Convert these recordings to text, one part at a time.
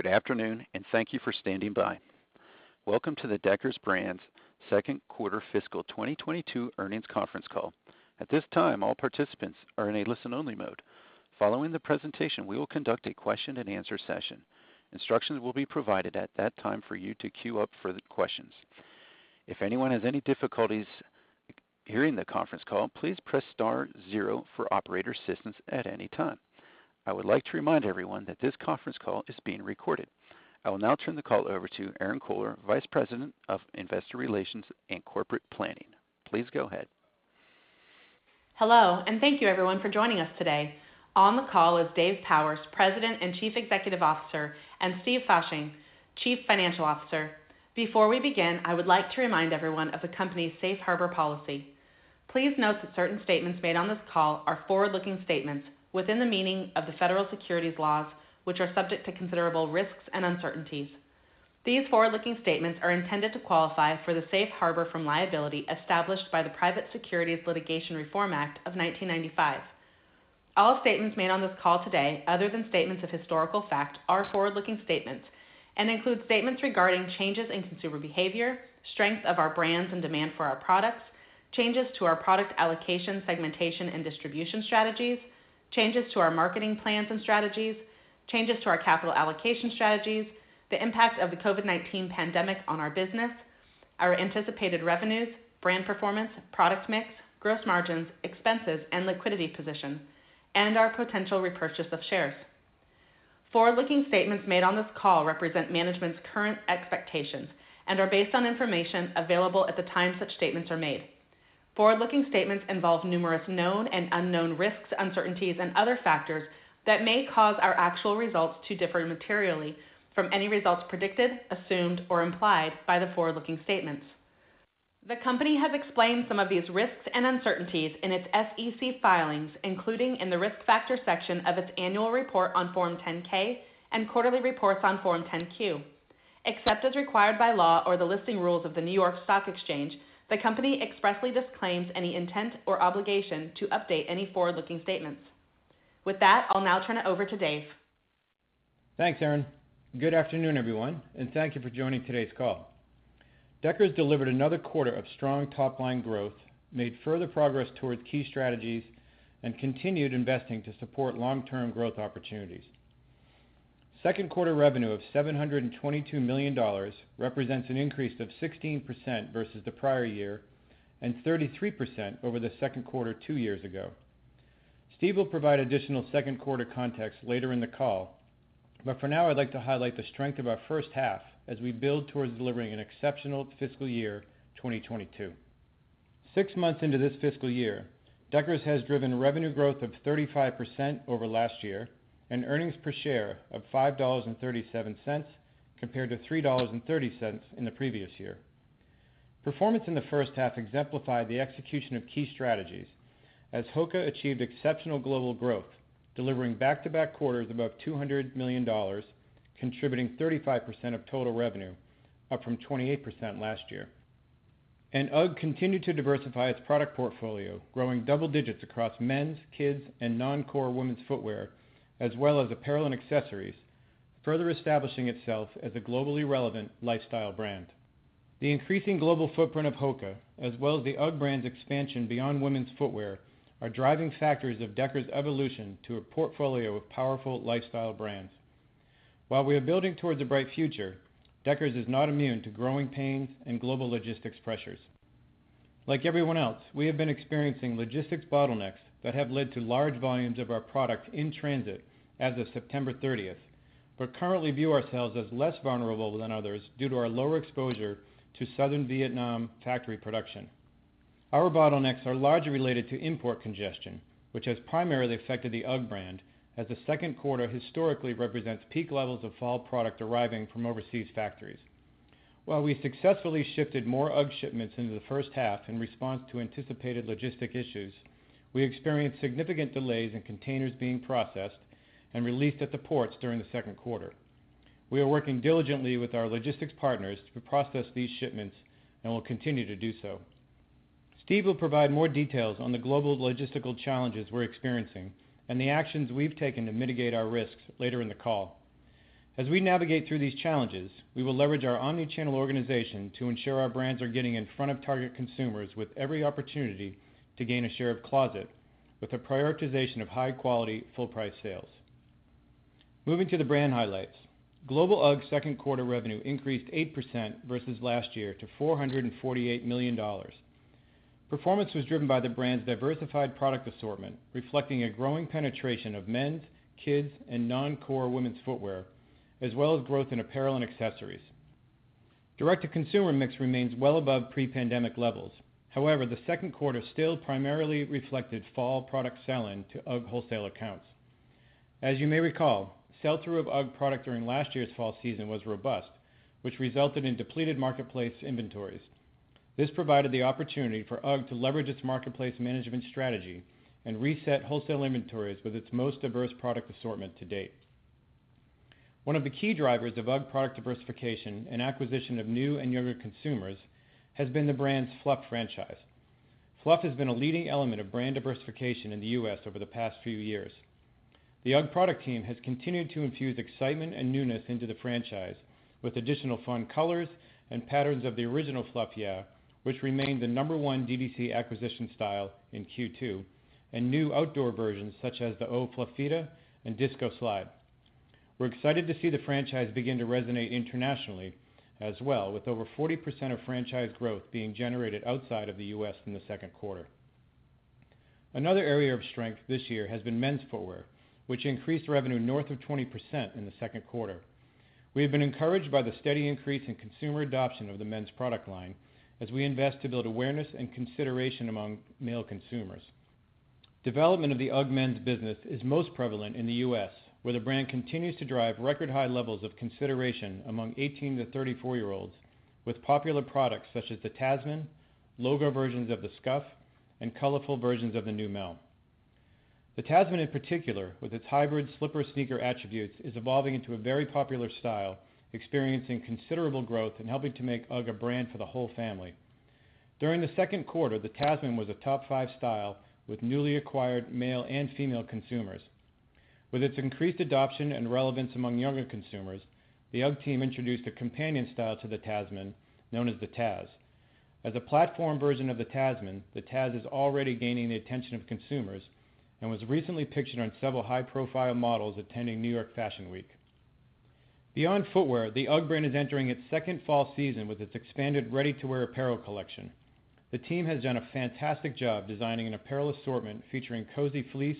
Good afternoon, and thank you for standing by. Welcome to the Deckers Brands Second Quarter fiscal 2022 Earnings Conference Call. At this time, all participants are in a listen-only mode. Following the presentation, we will conduct a Question-and-Answer Session. Instructions will be provided at that time for you to queue up for the questions. If anyone has any difficulties hearing the conference call, please press star zero for operator assistance at any time. I would like to remind everyone that this conference call is being recorded. I will now turn the call over to Erinn Kohler, Vice President of Investor Relations & Corporate Planning. Please go ahead. Hello, and thank you everyone for joining us today. On the call is Dave Powers, President and Chief Executive Officer, and Steve Fasching, Chief Financial Officer. Before we begin, I would like to remind everyone of the company's safe harbor policy. Please note that certain statements made on this call are forward-looking statements within the meaning of the federal securities laws, which are subject to considerable risks and uncertainties. These forward-looking statements are intended to qualify for the safe harbor from liability established by the Private Securities Litigation Reform Act of 1995. All statements made on this call today, other than statements of historical fact, are forward-looking statements and include statements regarding changes in consumer behavior, strength of our brands and demand for our products, changes to our product allocation, segmentation, and distribution strategies, changes to our marketing plans and strategies, changes to our capital allocation strategies, the impact of the COVID-19 pandemic on our business, our anticipated revenues, brand performance, product mix, gross margins, expenses, and liquidity position, and our potential repurchase of shares. Forward-looking statements made on this call represent management's current expectations and are based on information available at the time such statements are made. Forward-looking statements involve numerous known and unknown risks, uncertainties, and other factors that may cause our actual results to differ materially from any results predicted, assumed, or implied by the forward-looking statements. The company has explained some of these risks and uncertainties in its SEC filings, including in the Risk Factors section of its annual report on Form 10-K and quarterly reports on Form 10-Q. Except as required by law or the listing rules of the New York Stock Exchange, the company expressly disclaims any intent or obligation to update any forward-looking statements. With that, I'll now turn it over to Dave. Thanks, Erinn. Good afternoon, everyone, and thank you for joining today's call. Deckers delivered another quarter of strong top-line growth, made further progress towards key strategies, and continued investing to support long-term growth opportunities. Second quarter revenue of $722 million represents an increase of 16% versus the prior year and 33% over the second quarter two years ago. Steve will provide additional second quarter context later in the call. For now, I'd like to highlight the strength of our first half as we build towards delivering an exceptional fiscal year 2022. Six months into this fiscal year, Deckers has driven revenue growth of 35% over last year and earnings per share of $5.37 compared to $3.30 in the previous year. Performance in the first half exemplified the execution of key strategies as HOKA achieved exceptional global growth, delivering back-to-back quarters above $200 million, contributing 35% of total revenue, up from 28% last year. UGG continued to diversify its product portfolio, growing double digits across men's, kids, and non-core women's footwear, as well as apparel and accessories, further establishing itself as a globally relevant lifestyle brand. The increasing global footprint of HOKA, as well as the UGG brand's expansion beyond women's footwear, are driving factors of Deckers' evolution to a portfolio of powerful lifestyle brands. While we are building towards a bright future, Deckers is not immune to growing pains and global logistics pressures. Like everyone else, we have been experiencing logistics bottlenecks that have led to large volumes of our product in transit as of 30 September. We currently view ourselves as less vulnerable than others due to our lower exposure to Southern Vietnam factory production. Our bottlenecks are largely related to import congestion, which has primarily affected the UGG brand, as the second quarter historically represents peak levels of fall product arriving from overseas factories. While we successfully shifted more UGG shipments into the first half in response to anticipated logistic issues, we experienced significant delays in containers being processed and released at the ports during the second quarter. We are working diligently with our logistics partners to process these shipments and will continue to do so. Steve will provide more details on the global logistical challenges we're experiencing and the actions we've taken to mitigate our risks later in the call. As we navigate through these challenges, we will leverage our omni-channel organization to ensure our brands are getting in front of target consumers with every opportunity to gain a share of closet with a prioritization of high-quality full price sales. Moving to the brand highlights. Global UGG second quarter revenue increased 8% versus last year to $448 million. Performance was driven by the brand's diversified product assortment, reflecting a growing penetration of men's, kids, and non-core women's footwear, as well as growth in apparel and accessories. Direct-to-consumer mix remains well above pre-pandemic levels. However, the second quarter still primarily reflected fall product sell-in to UGG wholesale accounts. As you may recall, sell-through of UGG product during last year's fall season was robust, which resulted in depleted marketplace inventories. This provided the opportunity for UGG to leverage its marketplace management strategy and reset wholesale inventories with its most diverse product assortment to date. One of the key drivers of UGG product diversification and acquisition of new and younger consumers has been the brand's Fluff franchise. Fluff has been a leading element of brand diversification in the U.S. over the past few years. The UGG product team has continued to infuse excitement and newness into the franchise, with additional fun colors and patterns of the original Fluff Yeah, which remained the number one DTC acquisition style in Q2, and new outdoor versions such as the Oh Fluffita and Disco Slide. We're excited to see the franchise begin to resonate internationally as well, with over 40% of franchise growth being generated outside of the U.S. in the second quarter. Another area of strength this year has been men's footwear, which increased revenue north of 20% in the second quarter. We have been encouraged by the steady increase in consumer adoption of the men's product line as we invest to build awareness and consideration among male consumers. Development of the UGG men's business is most prevalent in the U.S., where the brand continues to drive record high levels of consideration among 18- to 34-year-olds with popular products such as the Tasman, logo versions of the Scuff, and colorful versions of the Neumel. The Tasman in particular, with its hybrid slipper sneaker attributes, is evolving into a very popular style, experiencing considerable growth and helping to make UGG a brand for the whole family. During the second quarter, the Tasman was a top five style with newly acquired male and female consumers. With its increased adoption and relevance among younger consumers, the UGG team introduced a companion style to the Tasman, known as the Tazz. As a platform version of the Tasman, the Tazz is already gaining the attention of consumers and was recently pictured on several high-profile models attending New York Fashion Week. Beyond footwear, the UGG brand is entering its second fall season with its expanded ready-to-wear apparel collection. The team has done a fantastic job designing an apparel assortment featuring cozy fleece,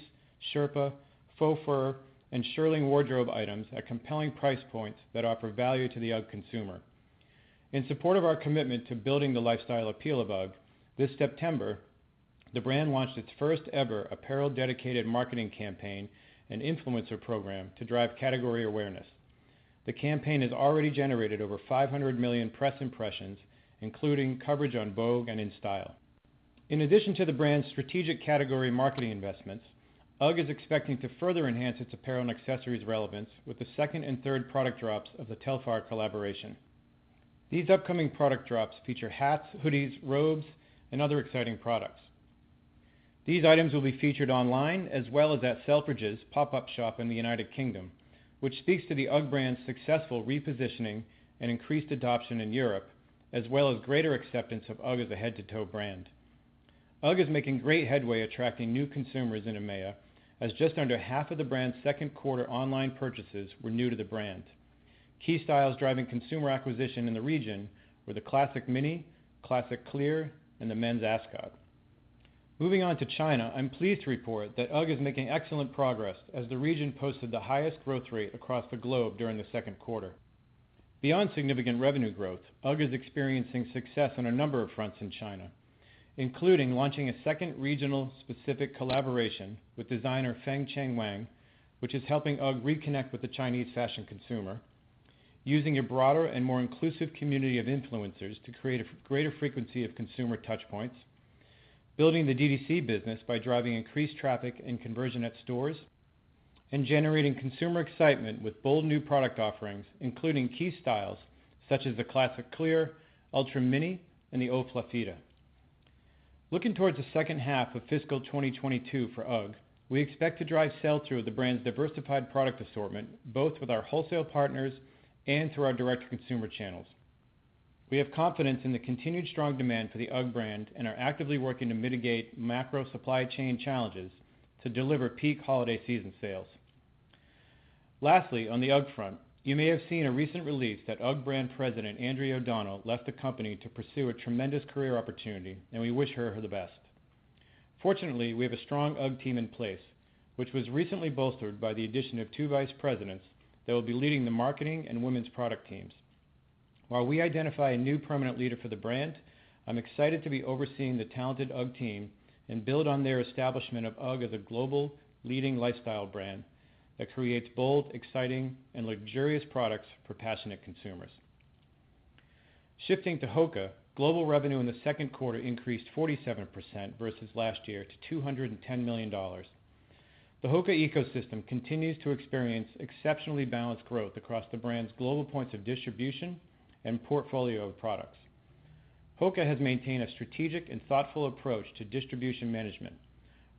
Sherpa, faux fur, and shearling wardrobe items at compelling price points that offer value to the UGG consumer. In support of our commitment to building the lifestyle appeal of UGG, this September, the brand launched its first ever apparel-dedicated marketing campaign and influencer program to drive category awareness. The campaign has already generated over 500 million press impressions, including coverage on Vogue and InStyle. In addition to the brand's strategic category marketing investments, UGG is expecting to further enhance its apparel and accessories relevance with the second and third product drops of the Telfar collaboration. These upcoming product drops feature hats, hoodies, robes, and other exciting products. These items will be featured online as well as at Selfridges pop-up shop in the United Kingdom, which speaks to the UGG brand's successful repositioning and increased adoption in Europe, as well as greater acceptance of UGG as a head-to-toe brand. UGG is making great headway attracting new consumers in EMEA, as just under half of the brand's second quarter online purchases were new to the brand. Key styles driving consumer acquisition in the region were the Classic Mini, Classic Clear, and the Men's Ascot. Moving on to China, I'm pleased to report that UGG is making excellent progress as the region posted the highest growth rate across the globe during the second quarter. Beyond significant revenue growth, UGG is experiencing success on a number of fronts in China, including launching a second regional-specific collaboration with designer Feng Chen Wang, which is helping UGG reconnect with the Chinese fashion consumer, using a broader and more inclusive community of influencers to create a greater frequency of consumer touch points, building the DDC business by driving increased traffic and conversion at stores, and generating consumer excitement with bold new product offerings, including key styles such as the Classic Clear, Classic Ultra Mini, and the Oh Fluffita. Looking towards the second half of fiscal 2022 for UGG, we expect to drive sell-through of the brand's diversified product assortment, both with our wholesale partners and through our direct consumer channels. We have confidence in the continued strong demand for the UGG brand and are actively working to mitigate macro supply chain challenges to deliver peak holiday season sales. Lastly, on the UGG front, you may have seen a recent release that UGG Brand President Andrea O'Donnell left the company to pursue a tremendous career opportunity, and we wish her the best. Fortunately, we have a strong UGG team in place, which was recently bolstered by the addition of two vice presidents that will be leading the marketing and women's product teams. While we identify a new permanent leader for the brand, I'm excited to be overseeing the talented UGG team and build on their establishment of UGG as a global leading lifestyle brand that creates bold, exciting, and luxurious products for passionate consumers. Shifting to HOKA, global revenue in the second quarter increased 47% versus last year to $210 million. The HOKA ecosystem continues to experience exceptionally balanced growth across the brand's global points of distribution and portfolio of products. HOKA has maintained a strategic and thoughtful approach to distribution management.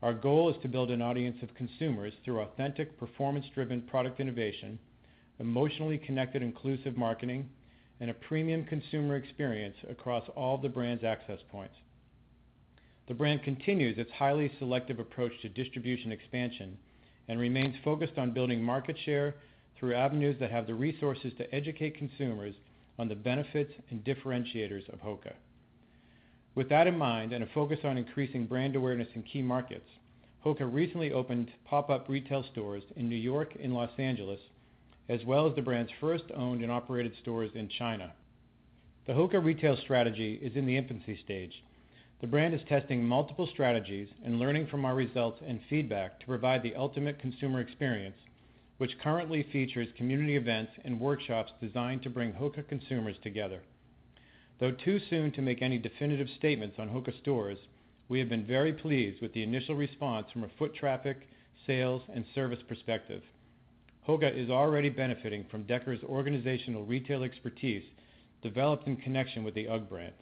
Our goal is to build an audience of consumers through authentic, performance-driven product innovation, emotionally connected inclusive marketing, and a premium consumer experience across all the brand's access points. The brand continues its highly selective approach to distribution expansion and remains focused on building market share through avenues that have the resources to educate consumers on the benefits and differentiators of HOKA. With that in mind, and a focus on increasing brand awareness in key markets, HOKA recently opened pop-up retail stores in New York and Los Angeles, as well as the brand's first owned and operated stores in China. The HOKA retail strategy is in the infancy stage. The brand is testing multiple strategies and learning from our results and feedback to provide the ultimate consumer experience, which currently features community events and workshops designed to bring HOKA consumers together. Though too soon to make any definitive statements on HOKA stores, we have been very pleased with the initial response from a foot traffic, sales, and service perspective. HOKA is already benefiting from Deckers' organizational retail expertise developed in connection with the UGG brand.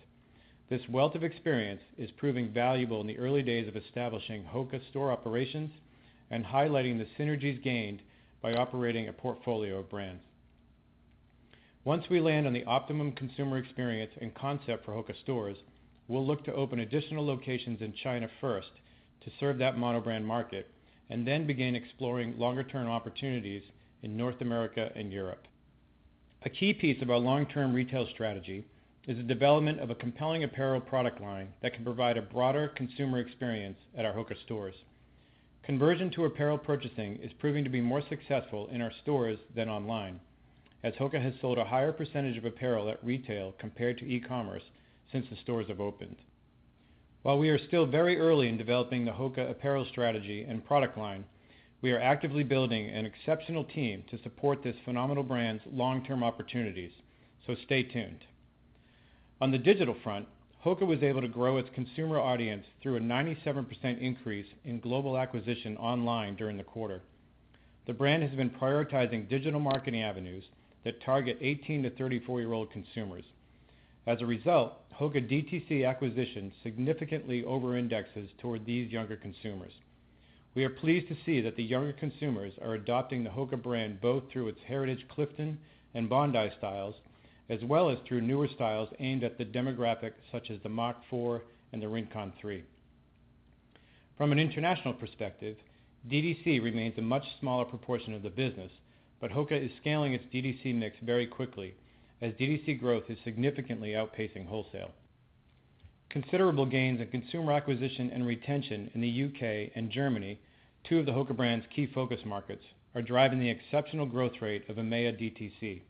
This wealth of experience is proving valuable in the early days of establishing HOKA store operations and highlighting the synergies gained by operating a portfolio of brands. Once we land on the optimum consumer experience and concept for HOKA stores, we'll look to open additional locations in China first to serve that mono brand market, and then begin exploring longer-term opportunities in North America and Europe. A key piece of our long-term retail strategy is the development of a compelling apparel product line that can provide a broader consumer experience at our HOKA stores. Conversion to apparel purchasing is proving to be more successful in our stores than online, as HOKA has sold a higher percentage of apparel at retail compared to e-commerce since the stores have opened. While we are still very early in developing the HOKA apparel strategy and product line, we are actively building an exceptional team to support this phenomenal brand's long-term opportunities, so stay tuned. On the digital front, HOKA was able to grow its consumer audience through a 97% increase in global acquisition online during the quarter. The brand has been prioritizing digital marketing avenues that target 18- to 34-year-old consumers. As a result, HOKA DTC acquisition significantly over-indexes toward these younger consumers. We are pleased to see that the younger consumers are adopting the HOKA brand, both through its heritage Clifton and Bondi styles, as well as through newer styles aimed at the demographic, such as the Mach 4 and the Rincon 3. From an international perspective, DDC remains a much smaller proportion of the business, but HOKA is scaling its DDC mix very quickly as DDC growth is significantly outpacing wholesale. Considerable gains in consumer acquisition and retention in the U.K. and Germany, two of the HOKA brand's key focus markets, are driving the exceptional growth rate of EMEA DTC.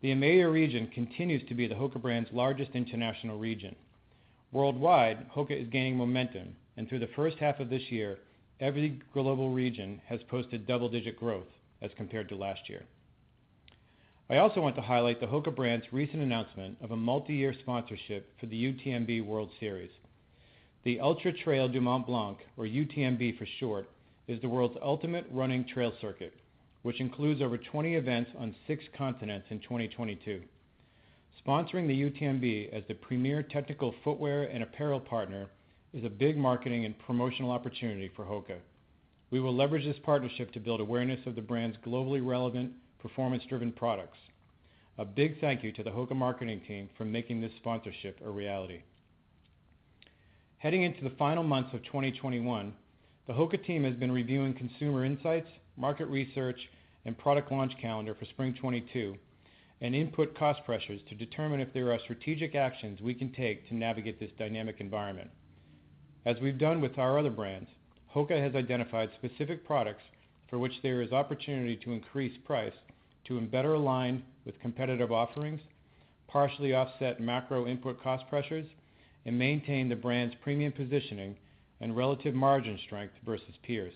The EMEA region continues to be the HOKA brand's largest international region. Worldwide, HOKA is gaining momentum, and through the first half of this year, every global region has posted double-digit growth as compared to last year. I also want to highlight the HOKA brand's recent announcement of a multi-year sponsorship for the UTMB World Series. The Ultra-Trail du Mont-Blanc, or UTMB for short, is the world's ultimate running trail circuit, which includes over 20 events on six continents in 2022. Sponsoring the UTMB as the premier technical footwear and apparel partner is a big marketing and promotional opportunity for HOKA. We will leverage this partnership to build awareness of the brand's globally relevant, performance-driven products. A big thank you to the HOKA marketing team for making this sponsorship a reality. Heading into the final months of 2021, the HOKA team has been reviewing consumer insights, market research, and product launch calendar for spring 2022, and input cost pressures to determine if there are strategic actions we can take to navigate this dynamic environment. As we've done with our other brands, HOKA has identified specific products for which there is opportunity to increase price to better align with competitive offerings, partially offset macro input cost pressures, and maintain the brand's premium positioning and relative margin strength versus peers.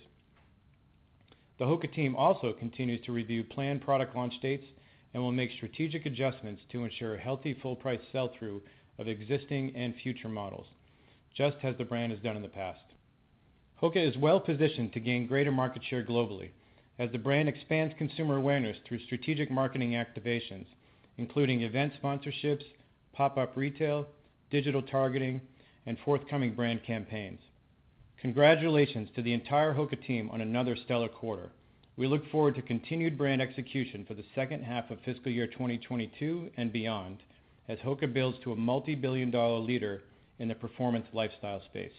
The HOKA team also continues to review planned product launch dates and will make strategic adjustments to ensure healthy full price sell-through of existing and future models, just as the brand has done in the past. HOKA is well-positioned to gain greater market share globally as the brand expands consumer awareness through strategic marketing activations, including event sponsorships, pop-up retail, digital targeting, and forthcoming brand campaigns. Congratulations to the entire HOKA team on another stellar quarter. We look forward to continued brand execution for the second half of fiscal year 2022 and beyond as HOKA builds to a multi-billion dollar leader in the performance lifestyle space.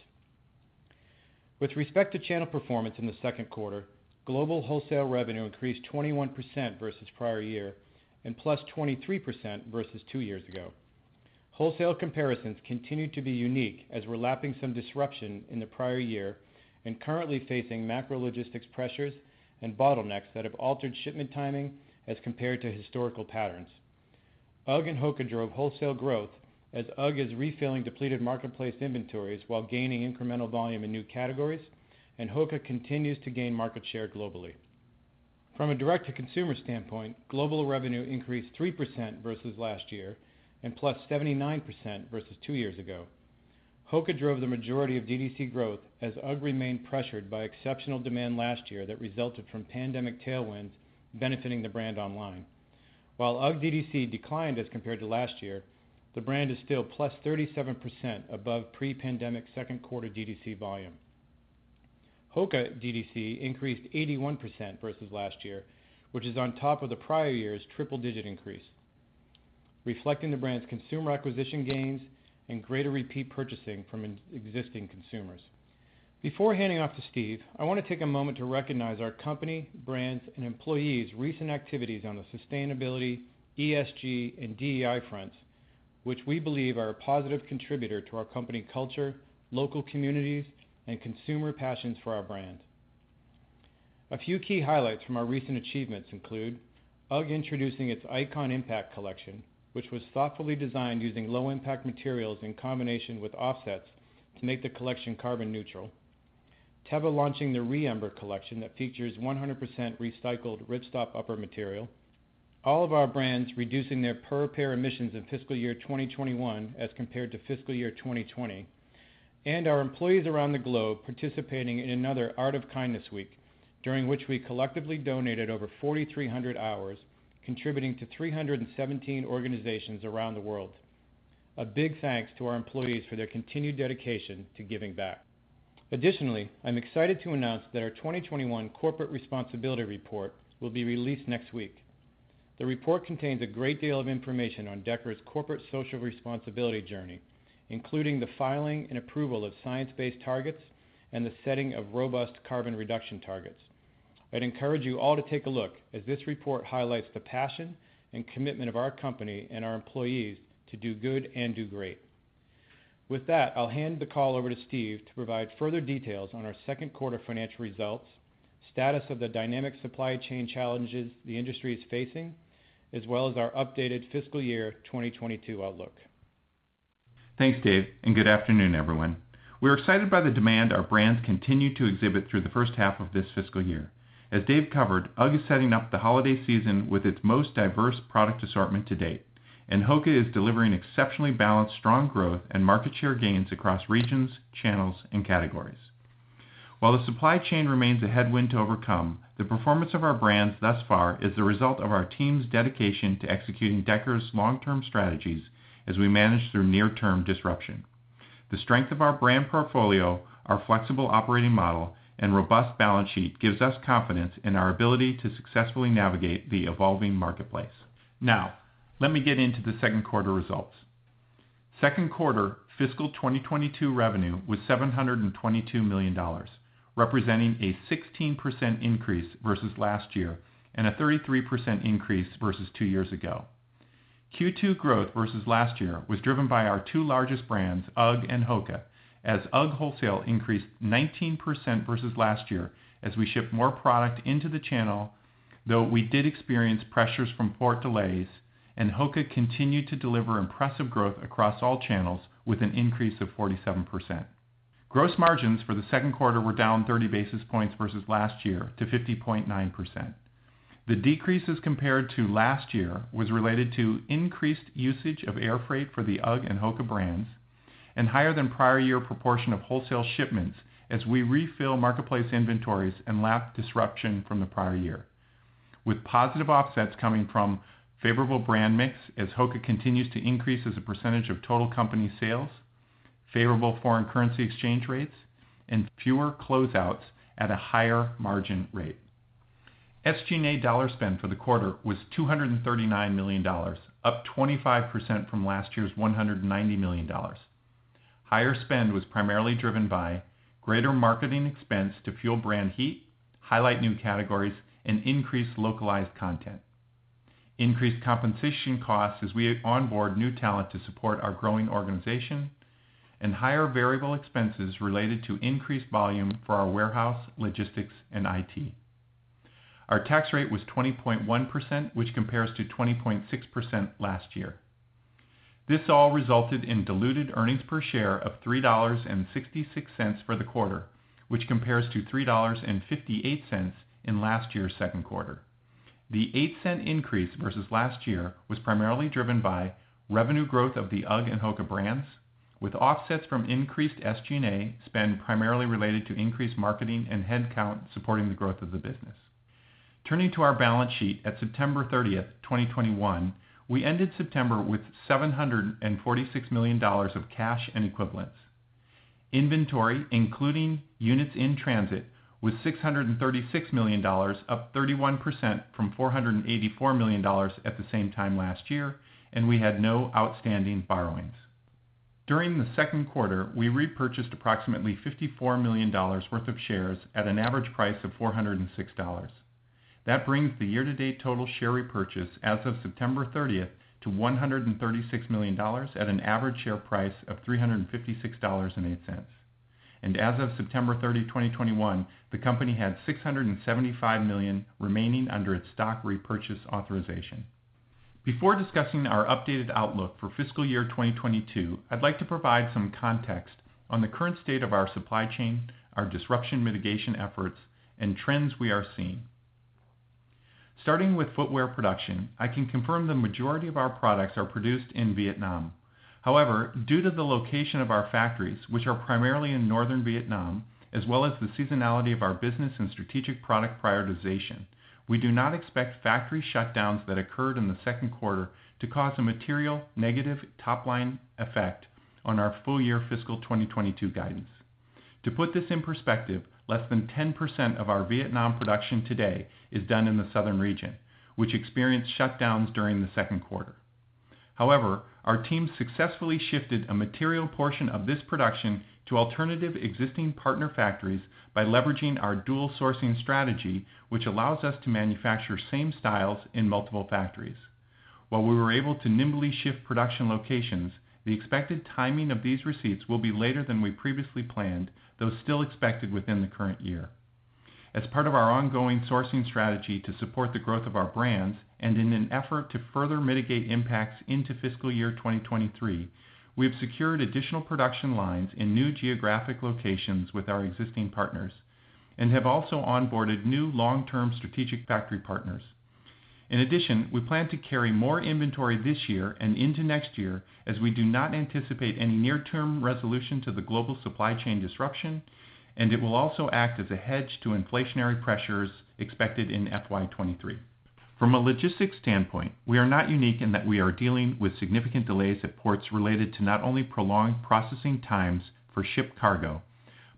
With respect to channel performance in the second quarter, global wholesale revenue increased 21% versus prior year and +23% versus two years ago. Wholesale comparisons continue to be unique as we're lapping some disruption in the prior year and currently facing macro logistics pressures and bottlenecks that have altered shipment timing as compared to historical patterns. UGG and HOKA drove wholesale growth as UGG is refilling depleted marketplace inventories while gaining incremental volume in new categories, and HOKA continues to gain market share globally. From a direct to consumer standpoint, global revenue increased 3% versus last year and +79% versus two years ago. HOKA drove the majority of DDC growth as UGG remained pressured by exceptional demand last year that resulted from pandemic tailwinds benefiting the brand online. While UGG DDC declined as compared to last year, the brand is still +37% above pre-pandemic second quarter DDC volume. HOKA DDC increased 81% versus last year, which is on top of the prior year's triple-digit increase, reflecting the brand's consumer acquisition gains and greater repeat purchasing from existing consumers. Before handing off to Steve, I want to take a moment to recognize our company, brands, and employees' recent activities on the sustainability, ESG, and DEI fronts, which we believe are a positive contributor to our company culture, local communities, and consumer passions for our brand. A few key highlights from our recent achievements include UGG introducing its Icon-Impact collection, which was thoughtfully designed using low-impact materials in combination with offsets to make the collection carbon neutral. Teva launching the ReEmber collection that features 100% recycled ripstop upper material. All of our brands reducing their per pair emissions in fiscal year 2021 as compared to fiscal year 2020. Our employees around the globe participating in another Art of Kindness week, during which we collectively donated over 4,300 hours contributing to 317 organizations around the world. A big thanks to our employees for their continued dedication to giving back. Additionally, I'm excited to announce that our 2021 Corporate Responsibility Report will be released next week. The report contains a great deal of information on Deckers' corporate social responsibility journey, including the filing and approval of science-based targets and the setting of robust carbon reduction targets. I'd encourage you all to take a look, as this report highlights the passion and commitment of our company and our employees to do good and do great. With that, I'll hand the call over to Steve to provide further details on our second quarter financial results, status of the dynamic supply chain challenges the industry is facing, as well as our updated fiscal year 2022 outlook. Thanks, Dave, and good afternoon, everyone. We're excited by the demand our brands continue to exhibit through the first half of this fiscal year. As Dave covered, UGG is setting up the holiday season with its most diverse product assortment to date, and HOKA is delivering exceptionally balanced, strong growth and market share gains across regions, channels and categories. While the supply chain remains a headwind to overcome, the performance of our brands thus far is the result of our team's dedication to executing Deckers long-term strategies as we manage through near-term disruption. The strength of our brand portfolio, our flexible operating model and robust balance sheet gives us confidence in our ability to successfully navigate the evolving marketplace. Now, let me get into the second quarter results. Second quarter fiscal 2022 revenue was $722 million, representing a 16% increase versus last year and a 33% increase versus two years ago. Q2 growth versus last year was driven by our two largest brands, UGG and HOKA, as UGG wholesale increased 19% versus last year as we ship more product into the channel, though we did experience pressures from port delays, and HOKA continued to deliver impressive growth across all channels with an increase of 47%. Gross margins for the second quarter were down 30 basis points versus last year to 50.9%. The decreases compared to last year was related to increased usage of air freight for the UGG and HOKA brands and higher than prior year proportion of wholesale shipments as we refill marketplace inventories and lap disruption from the prior year. With positive offsets coming from favorable brand mix as HOKA continues to increase as a percentage of total company sales, favorable foreign currency exchange rates, and fewer closeouts at a higher margin rate. SG&A dollar spend for the quarter was $239 million, up 25% from last year's $190 million. Higher spend was primarily driven by greater marketing expense to fuel brand heat, highlight new categories and increase localized content, increased compensation costs as we onboard new talent to support our growing organization, and higher variable expenses related to increased volume for our warehouse, logistics, and IT. Our tax rate was 20.1%, which compares to 20.6% last year. This all resulted in diluted earnings per share of $3.66 for the quarter, which compares to $3.58 in last year's second quarter. The 8-cent increase versus last year was primarily driven by revenue growth of the UGG and HOKA brands, with offsets from increased SG&A spend primarily related to increased marketing and headcount supporting the growth of the business. Turning to our balance sheet at 30 September 2021, we ended September with $746 million of cash and equivalents. Inventory, including units in transit, was $636 million, up 31% from $484 million at the same time last year, and we had no outstanding borrowings. During the second quarter, we repurchased approximately $54 million worth of shares at an average price of $406. That brings the year to date total share repurchase as of 30 September to $136 million at an average share price of $356.08. As of 30 September 2021, the company had $675 million remaining under its stock repurchase authorization. Before discussing our updated outlook for fiscal year 2022, I'd like to provide some context on the current state of our supply chain, our disruption mitigation efforts, and trends we are seeing. Starting with footwear production, I can confirm the majority of our products are produced in Vietnam. However, due to the location of our factories, which are primarily in northern Vietnam, as well as the seasonality of our business and strategic product prioritization, we do not expect factory shutdowns that occurred in the second quarter to cause a material negative top-line effect on our full year fiscal 2022 guidance. To put this in perspective, less than 10% of our Vietnam production today is done in the southern region, which experienced shutdowns during the second quarter. However, our team successfully shifted a material portion of this production to alternative existing partner factories by leveraging our dual sourcing strategy, which allows us to manufacture same styles in multiple factories. While we were able to nimbly shift production locations, the expected timing of these receipts will be later than we previously planned, though still expected within the current year. As part of our ongoing sourcing strategy to support the growth of our brands and in an effort to further mitigate impacts into fiscal year 2023, we have secured additional production lines in new geographic locations with our existing partners and have also onboarded new long-term strategic factory partners. In addition, we plan to carry more inventory this year and into next year as we do not anticipate any near-term resolution to the global supply chain disruption, and it will also act as a hedge to inflationary pressures expected in FY 2023. From a logistics standpoint, we are not unique in that we are dealing with significant delays at ports related to not only prolonged processing times for shipped cargo,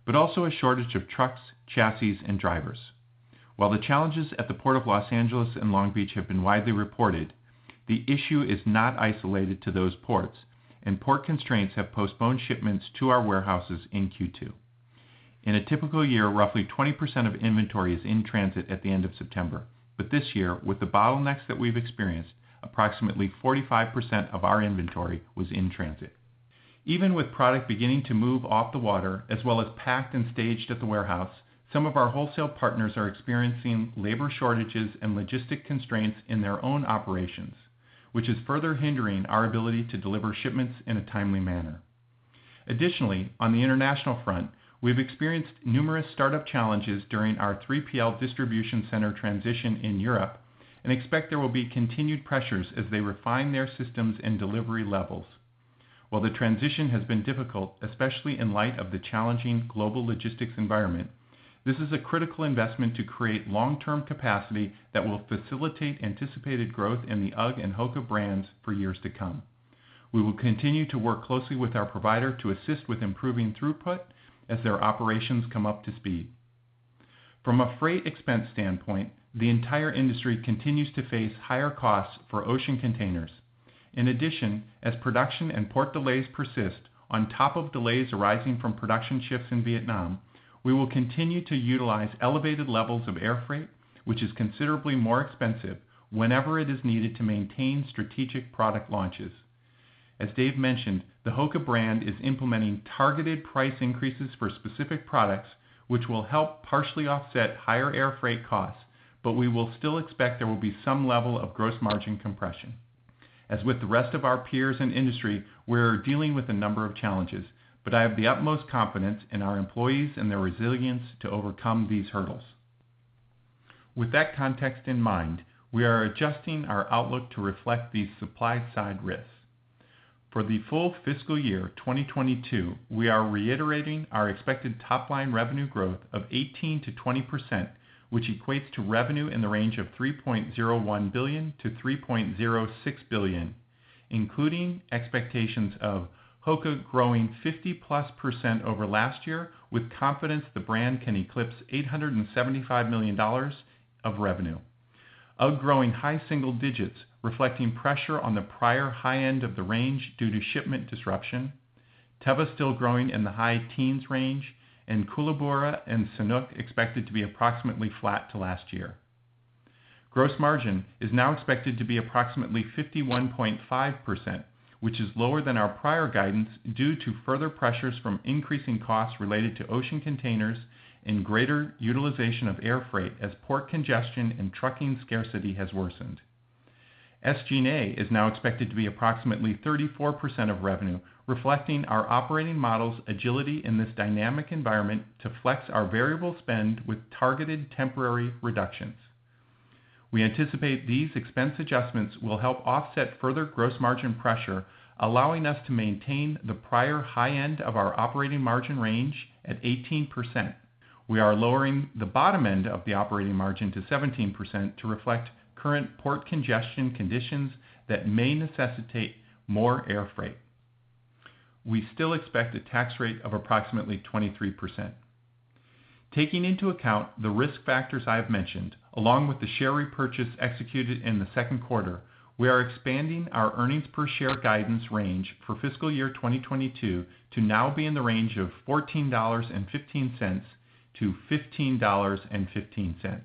but also a shortage of trucks, chassis, and drivers. While the challenges at the Port of Los Angeles and Long Beach have been widely reported, the issue is not isolated to those ports, and port constraints have postponed shipments to our warehouses in Q2. In a typical year, roughly 20% of inventory is in transit at the end of September, but this year, with the bottlenecks that we've experienced, approximately 45% of our inventory was in transit. Even with product beginning to move off the water as well as packed and staged at the warehouse, some of our wholesale partners are experiencing labor shortages and logistic constraints in their own operations, which is further hindering our ability to deliver shipments in a timely manner. Additionally, on the international front, we have experienced numerous startup challenges during our 3PL distribution center transition in Europe and expect there will be continued pressures as they refine their systems and delivery levels. While the transition has been difficult, especially in light of the challenging global logistics environment, this is a critical investment to create long-term capacity that will facilitate anticipated growth in the UGG and HOKA brands for years to come. We will continue to work closely with our provider to assist with improving throughput as their operations come up to speed. From a freight expense standpoint, the entire industry continues to face higher costs for ocean containers. In addition, as production and port delays persist on top of delays arising from production shifts in Vietnam, we will continue to utilize elevated levels of air freight, which is considerably more expensive whenever it is needed to maintain strategic product launches. As Dave mentioned, the HOKA brand is implementing targeted price increases for specific products, which will help partially offset higher air freight costs, but we will still expect there will be some level of gross margin compression. As with the rest of our peers in the industry, we're dealing with a number of challenges, but I have the utmost confidence in our employees and their resilience to overcome these hurdles. With that context in mind, we are adjusting our outlook to reflect these supply-side risks. For the full fiscal year 2022, we are reiterating our expected top-line revenue growth of 18%-20%, which equates to revenue in the range of $3.01 billion-$3.06 billion, including expectations of HOKA growing 50%+ over last year with confidence the brand can eclipse $875 million of revenue. UGG growing high single digits, reflecting pressure on the prior high end of the range due to shipment disruption. Teva still growing in the high teens range, and Koolaburra and Sanuk expected to be approximately flat to last year. Gross margin is now expected to be approximately 51.5%, which is lower than our prior guidance due to further pressures from increasing costs related to ocean containers and greater utilization of air freight as port congestion and trucking scarcity has worsened. SG&A is now expected to be approximately 34% of revenue, reflecting our operating model's agility in this dynamic environment to flex our variable spend with targeted temporary reductions. We anticipate these expense adjustments will help offset further gross margin pressure, allowing us to maintain the prior high end of our operating margin range at 18%. We are lowering the bottom end of the operating margin to 17% to reflect current port congestion conditions that may necessitate more air freight. We still expect a tax rate of approximately 23%. Taking into account the risk factors I have mentioned, along with the share repurchase executed in the second quarter, we are expanding our earnings per share guidance range for fiscal year 2022 to now be in the range of $14.15-15.15.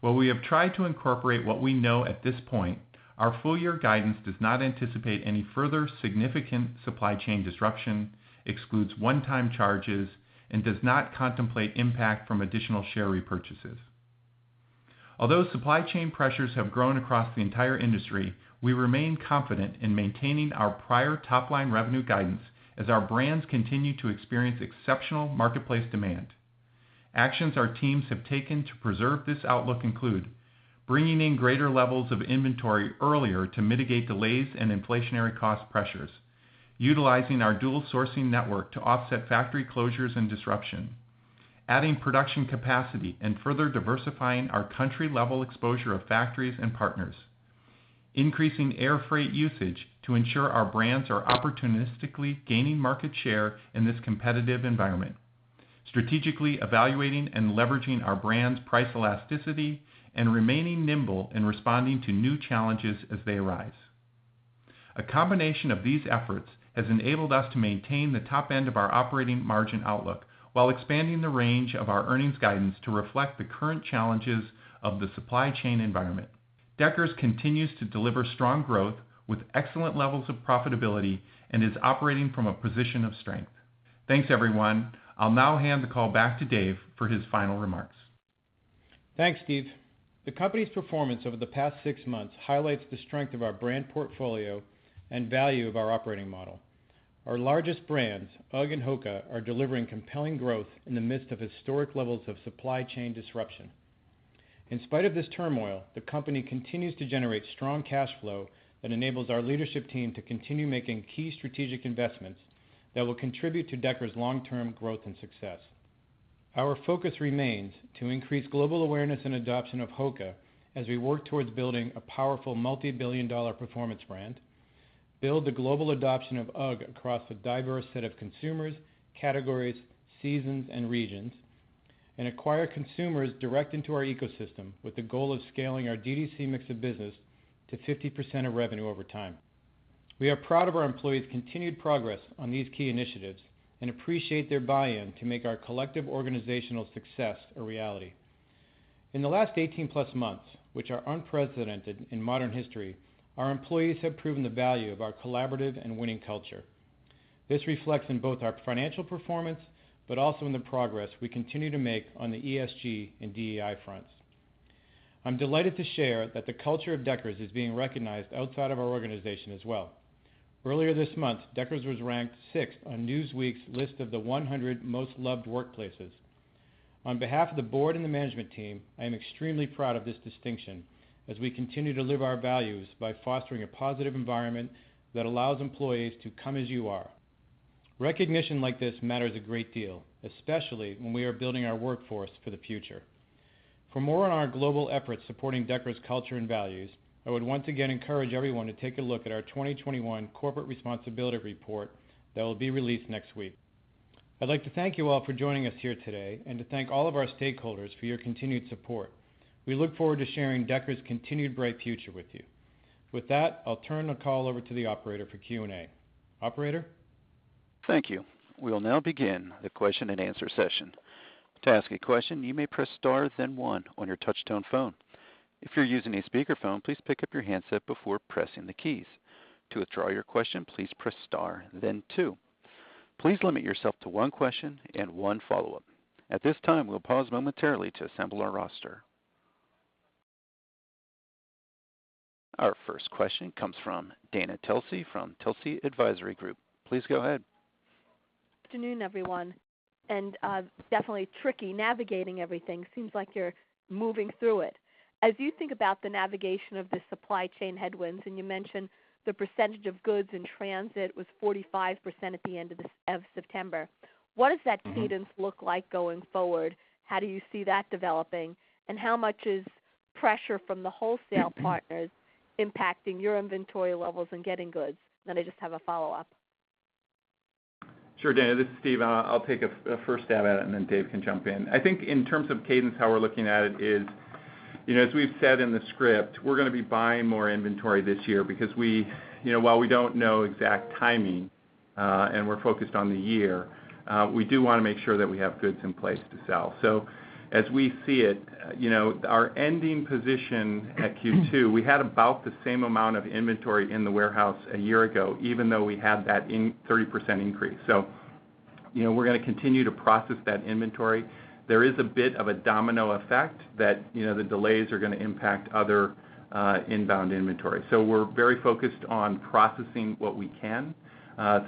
While we have tried to incorporate what we know at this point, our full-year guidance does not anticipate any further significant supply chain disruption, excludes one-time charges, and does not contemplate impact from additional share repurchases. Although supply chain pressures have grown across the entire industry, we remain confident in maintaining our prior top-line revenue guidance as our brands continue to experience exceptional marketplace demand. Actions our teams have taken to preserve this outlook include bringing in greater levels of inventory earlier to mitigate delays and inflationary cost pressures, utilizing our dual sourcing network to offset factory closures and disruption, adding production capacity and further diversifying our country-level exposure of factories and partners, increasing air freight usage to ensure our brands are opportunistically gaining market share in this competitive environment, strategically evaluating and leveraging our brands' price elasticity, and remaining nimble in responding to new challenges as they arise. A combination of these efforts has enabled us to maintain the top end of our operating margin outlook while expanding the range of our earnings guidance to reflect the current challenges of the supply chain environment. Deckers continues to deliver strong growth with excellent levels of profitability and is operating from a position of strength. Thanks, everyone. I'll now hand the call back to Dave for his final remarks. Thanks, Steve. The company's performance over the past six months highlights the strength of our brand portfolio and value of our operating model. Our largest brands, UGG and HOKA, are delivering compelling growth in the midst of historic levels of supply chain disruption. In spite of this turmoil, the company continues to generate strong cash flow that enables our leadership team to continue making key strategic investments that will contribute to Deckers' long-term growth and success. Our focus remains to increase global awareness and adoption of HOKA as we work towards building a powerful multi-billion dollar performance brand, build the global adoption of UGG across a diverse set of consumers, categories, seasons, and regions, and acquire consumers direct into our ecosystem with the goal of scaling our DDC mix of business to 50% of revenue over time. We are proud of our employees' continued progress on these key initiatives and appreciate their buy-in to make our collective organizational success a reality. In the last 18+ months, which are unprecedented in modern history, our employees have proven the value of our collaborative and winning culture. This reflects in both our financial performance, but also in the progress we continue to make on the ESG and DEI fronts. I'm delighted to share that the culture of Deckers is being recognized outside of our organization as well. Earlier this month, Deckers was ranked sixth on Newsweek's list of the 100 Most Loved Workplaces. On behalf of the board and the management team, I am extremely proud of this distinction as we continue to live our values by fostering a positive environment that allows employees to come as you are. Recognition like this matters a great deal, especially when we are building our workforce for the future. For more on our global efforts supporting Deckers' culture and values, I would once again encourage everyone to take a look at our 2021 Corporate Responsibility Report that will be released next week. I'd like to thank you all for joining us here today and to thank all of our stakeholders for your continued support. We look forward to sharing Deckers' continued bright future with you. With that, I'll turn the call over to the operator for Q&A. Operator? Thank you. We'll now begin the Question-and-Answer Session. To ask a question, you may press star then one on your touch-tone phone. If you're using a speaker phone, please pick up your handset before pressing the keys. To withdraw your question, please press star then two. Please limit yourself to one question and one follow-up. At this time, we'll pause momentarily to assemble our roster. Our first question comes from Dana Telsey from Telsey Advisory Group. Please go ahead. Good afternoon, everyone. Definitely tricky navigating everything. Seems like you're moving through it. As you think about the navigation of the supply chain headwinds, you mentioned the percentage of goods in transit was 45% at the end of September. What does that cadence look like going forward? How do you see that developing, and how much is pressure from the wholesale partners impacting your inventory levels and getting goods? I just have a follow-up. Sure, Dana. This is Steve. I'll take a first stab at it, and then Dave can jump in. I think in terms of cadence, how we're looking at it is, you know, as we've said in the script, we're gonna be buying more inventory this year because we, you know, while we don't know exact timing, and we're focused on the year, we do wanna make sure that we have goods in place to sell. So as we see it, you know, our ending position at Q2, we had about the same amount of inventory in the warehouse a year ago, even though we had that 30% increase. So, you know, we're gonna continue to process that inventory. There is a bit of a domino effect that, you know, the delays are gonna impact other inbound inventory. We're very focused on processing what we can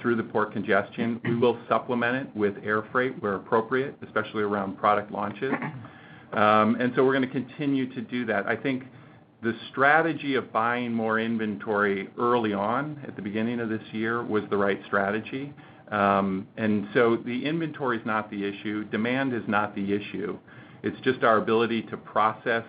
through the port congestion. We will supplement it with air freight where appropriate, especially around product launches. Okay. We're gonna continue to do that. I think the strategy of buying more inventory early on at the beginning of this year was the right strategy. The inventory is not the issue, demand is not the issue. It's just our ability to process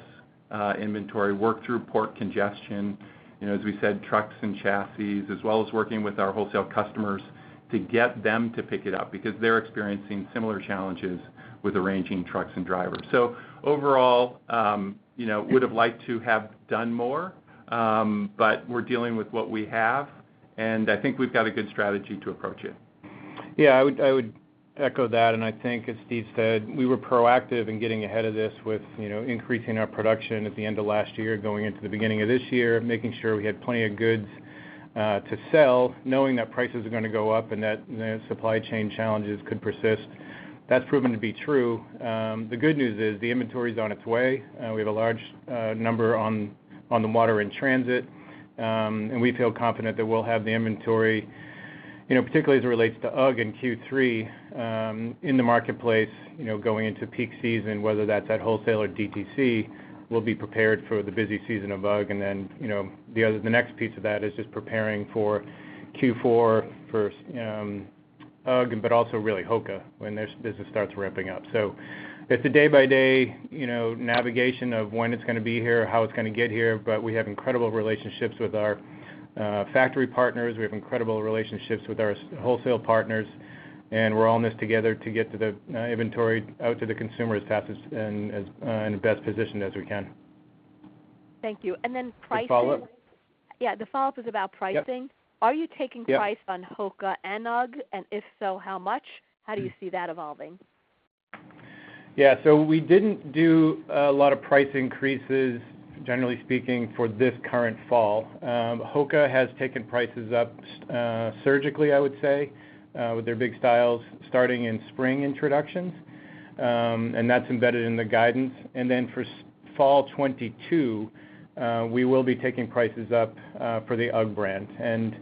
inventory, work through port congestion, you know, as we said, trucks and chassis, as well as working with our wholesale customers to get them to pick it up because they're experiencing similar challenges with arranging trucks and drivers. Overall, you know, would have liked to have done more, but we're dealing with what we have, and I think we've got a good strategy to approach it. Yeah, I would echo that, and I think as Steve said, we were proactive in getting ahead of this with, you know, increasing our production at the end of last year, going into the beginning of this year, making sure we had plenty of goods to sell, knowing that prices are gonna go up and that the supply chain challenges could persist. That's proven to be true. The good news is the inventory is on its way. We have a large number on the water in transit, and we feel confident that we'll have the inventory, you know, particularly as it relates to UGG in Q3, in the marketplace, you know, going into peak season, whether that's at wholesale or DTC, we'll be prepared for the busy season of UGG. You know, the next piece of that is just preparing for Q4 for UGG, but also really HOKA when this business starts ramping up. It's a day by day, you know, navigation of when it's gonna be here, how it's gonna get here. We have incredible relationships with our factory partners. We have incredible relationships with our wholesale partners, and we're all in this together to get to the inventory out to the consumer as fast as and in the best position as we can. Thank you. Pricing- A follow-up? Yeah, the follow-up is about pricing. Yeah. Are you taking price on HOKA and UGG? If so, how much? How do you see that evolving? We didn't do a lot of price increases, generally speaking, for this current fall. HOKA has taken prices up, surgically, I would say, with their big styles starting in spring introductions. That's embedded in the guidance. For Fall 2022, we will be taking prices up for the UGG brand.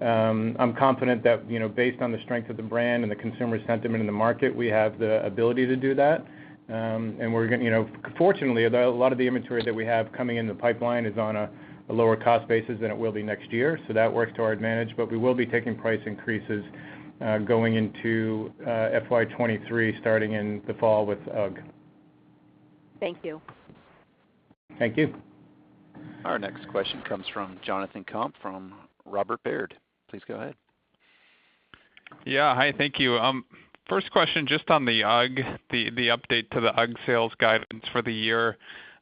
I'm confident that, you know, based on the strength of the brand and the consumer sentiment in the market, we have the ability to do that. We're gonna, you know, fortunately, a lot of the inventory that we have coming in the pipeline is on a lower cost basis than it will be next year. That works to our advantage, but we will be taking price increases going into FY 2023, starting in the fall with UGG. Thank you. Thank you. Our next question comes from Jonathan Komp from Robert W. Baird. Please go ahead. Hi, thank you. First question, just on the UGG, the update to the UGG sales guidance for the year,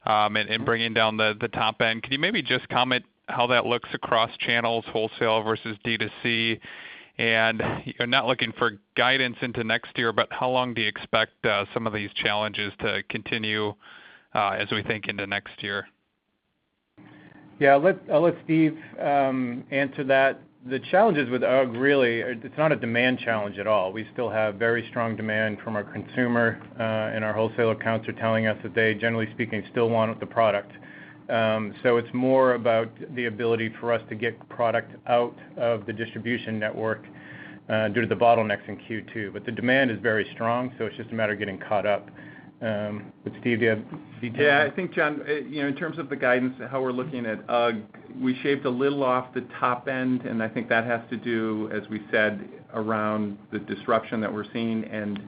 and bringing down the top end. Could you maybe just comment how that looks across channels, wholesale versus D2C? You're not looking for guidance into next year, but how long do you expect some of these challenges to continue as we think into next year? Yeah. I'll let Steve answer that. The challenges with UGG really are. It's not a demand challenge at all. We still have very strong demand from our consumer, and our wholesale accounts are telling us that they, generally speaking, still want the product. It's more about the ability for us to get product out of the distribution network, due to the bottlenecks in Q2. The demand is very strong, so it's just a matter of getting caught up. Steve, do you have any comments? Yeah, I think, Jon, you know, in terms of the guidance and how we're looking at UGG, we shaved a little off the top end, and I think that has to do, as we said, around the disruption that we're seeing and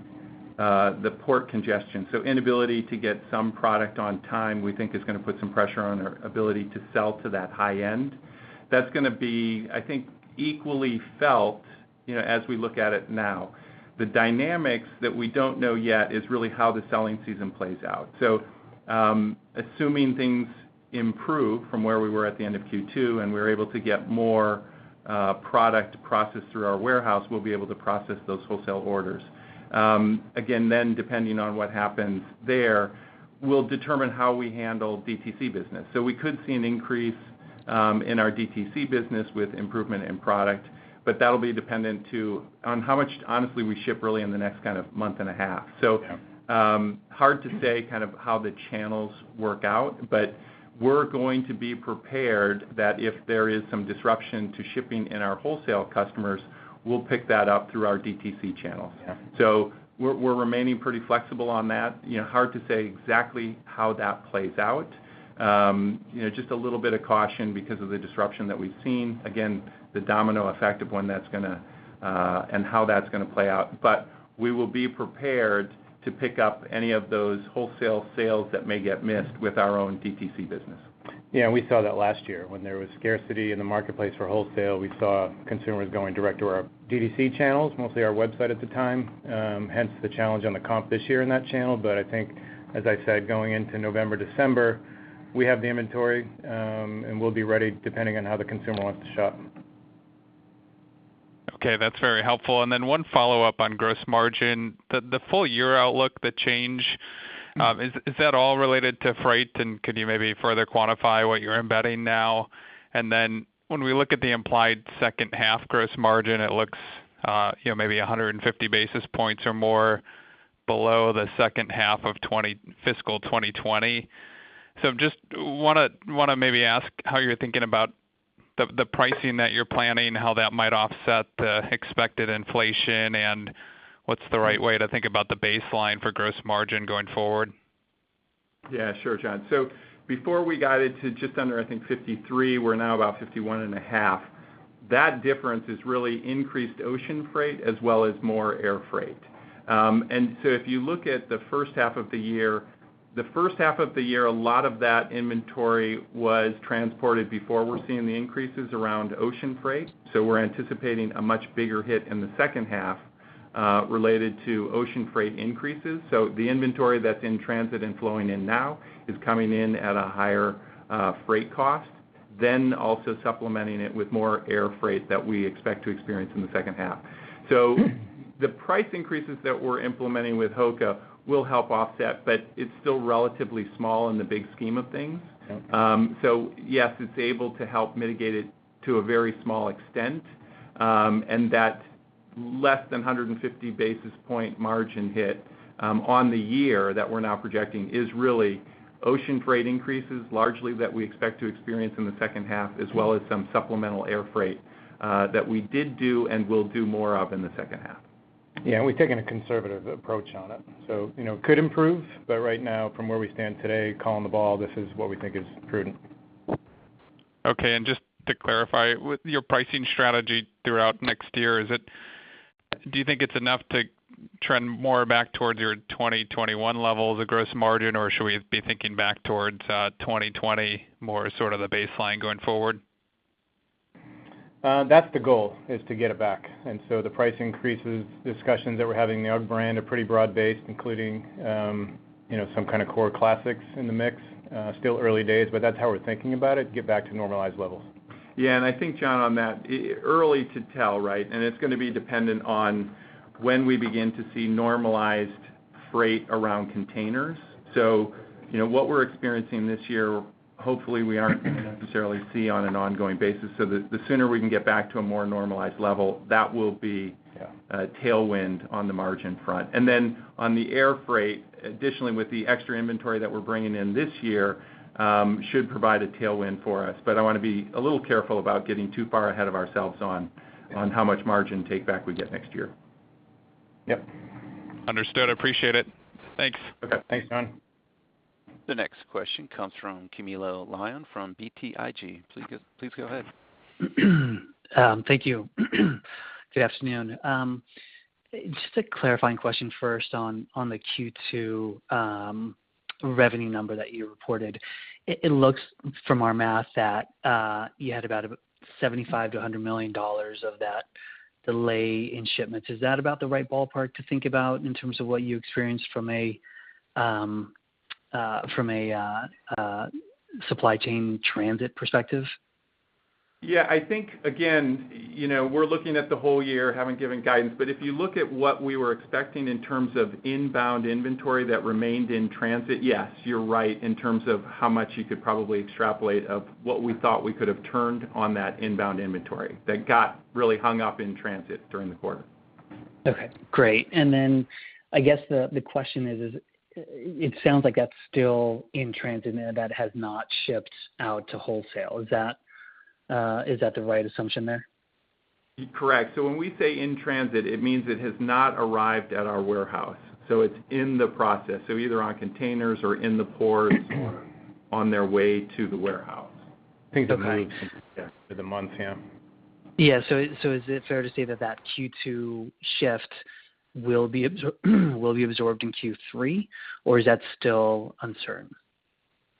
the port congestion. Inability to get some product on time, we think is gonna put some pressure on our ability to sell to that high end. That's gonna be, I think, equally felt, you know, as we look at it now. The dynamics that we don't know yet is really how the selling season plays out. Assuming things improve from where we were at the end of Q2, and we're able to get more product processed through our warehouse, we'll be able to process those wholesale orders. Again, then depending on what happens there, we'll determine how we handle DTC business. We could see an increase in our DTC business with improvement in product, but that'll be dependent on how much, honestly, we ship early in the next kind of month and a half. Yeah. Hard to say kind of how the channels work out, but we're going to be prepared that if there is some disruption to shipping in our wholesale customers, we'll pick that up through our DTC channels. Yeah. We're remaining pretty flexible on that. You know, hard to say exactly how that plays out. You know, just a little bit of caution because of the disruption that we've seen. Again, the domino effect of when that's gonna and how that's gonna play out. We will be prepared to pick up any of those wholesale sales that may get missed with our own DTC business. Yeah, we saw that last year. When there was scarcity in the marketplace for wholesale, we saw consumers going direct to our DTC channels, mostly our website at the time, hence the challenge on the comp this year in that channel. I think, as I said, going into November, December, we have the inventory, and we'll be ready depending on how the consumer wants to shop. Okay, that's very helpful. One follow-up on gross margin. The full year outlook, the change, is that all related to freight? Could you maybe further quantify what you're embedding now? When we look at the implied second half gross margin, it looks maybe 150 basis points or more below the second half of fiscal 2020. Just wanna maybe ask how you're thinking about the pricing that you're planning, how that might offset the expected inflation, and what's the right way to think about the baseline for gross margin going forward? Yeah, sure, Jon. Before we got it to just under, I think, 53, we're now about 51.5. That difference is really increased ocean freight as well as more air freight. If you look at the first half of the year, a lot of that inventory was transported before we're seeing the increases around ocean freight. We're anticipating a much bigger hit in the second half related to ocean freight increases. The inventory that's in transit and flowing in now is coming in at a higher freight cost than also supplementing it with more air freight that we expect to experience in the second half. The price increases that we're implementing with HOKA will help offset, but it's still relatively small in the big scheme of things. Okay. Yes, it's able to help mitigate it to a very small extent. That less than 150 basis point margin hit on the year that we're now projecting is really ocean freight increases, largely that we expect to experience in the second half, as well as some supplemental air freight that we did do and will do more of in the second half. Yeah, we've taken a conservative approach on it. You know, it could improve, but right now, from where we stand today, calling the ball, this is what we think is prudent. Okay. Just to clarify, with your pricing strategy throughout next year, do you think it's enough to trend more back towards your 2021 levels of gross margin, or should we be thinking back towards 2020 more sort of the baseline going forward? That's the goal, is to get it back. The price increases discussions that we're having in the UGG brand are pretty broad-based, including you know, some kind of core classics in the mix. Still early days, but that's how we're thinking about it, get back to normalized levels. I think, Jon, on that, early to tell, right? It's gonna be dependent on when we begin to see normalized freight around containers. You know, what we're experiencing this year, hopefully we aren't going to necessarily see on an ongoing basis. The sooner we can get back to a more normalized level, that will be- Yeah a tailwind on the margin front. On the air freight, additionally, with the extra inventory that we're bringing in this year, should provide a tailwind for us. I wanna be a little careful about getting too far ahead of ourselves on how much margin take back we get next year. Yep. Understood. I appreciate it. Thanks. Okay. Thanks, Jon. The next question comes from Camilo Lyon from BTIG. Please go ahead. Thank you. Good afternoon. Just a clarifying question first on the Q2 revenue number that you reported. It looks, from our math, that you had about $75-100 million of that delay in shipments. Is that about the right ballpark to think about in terms of what you experienced from a supply chain transit perspective? Yeah. I think, again, you know, we're looking at the whole year, having given guidance. If you look at what we were expecting in terms of inbound inventory that remained in transit, yes, you're right in terms of how much you could probably extrapolate of what we thought we could have turned on that inbound inventory that got really hung up in transit during the quarter. Okay, great. Then I guess the question is, it sounds like that's still in transit and that has not shipped out to wholesale. Is that the right assumption there? Correct. When we say in transit, it means it has not arrived at our warehouse, so it's in the process. Either on containers or in the ports or on their way to the warehouse. Think of weeks- Okay. Yeah. The months. Yeah. Yeah. Is it fair to say that Q2 shift will be absorbed in Q3, or is that still uncertain?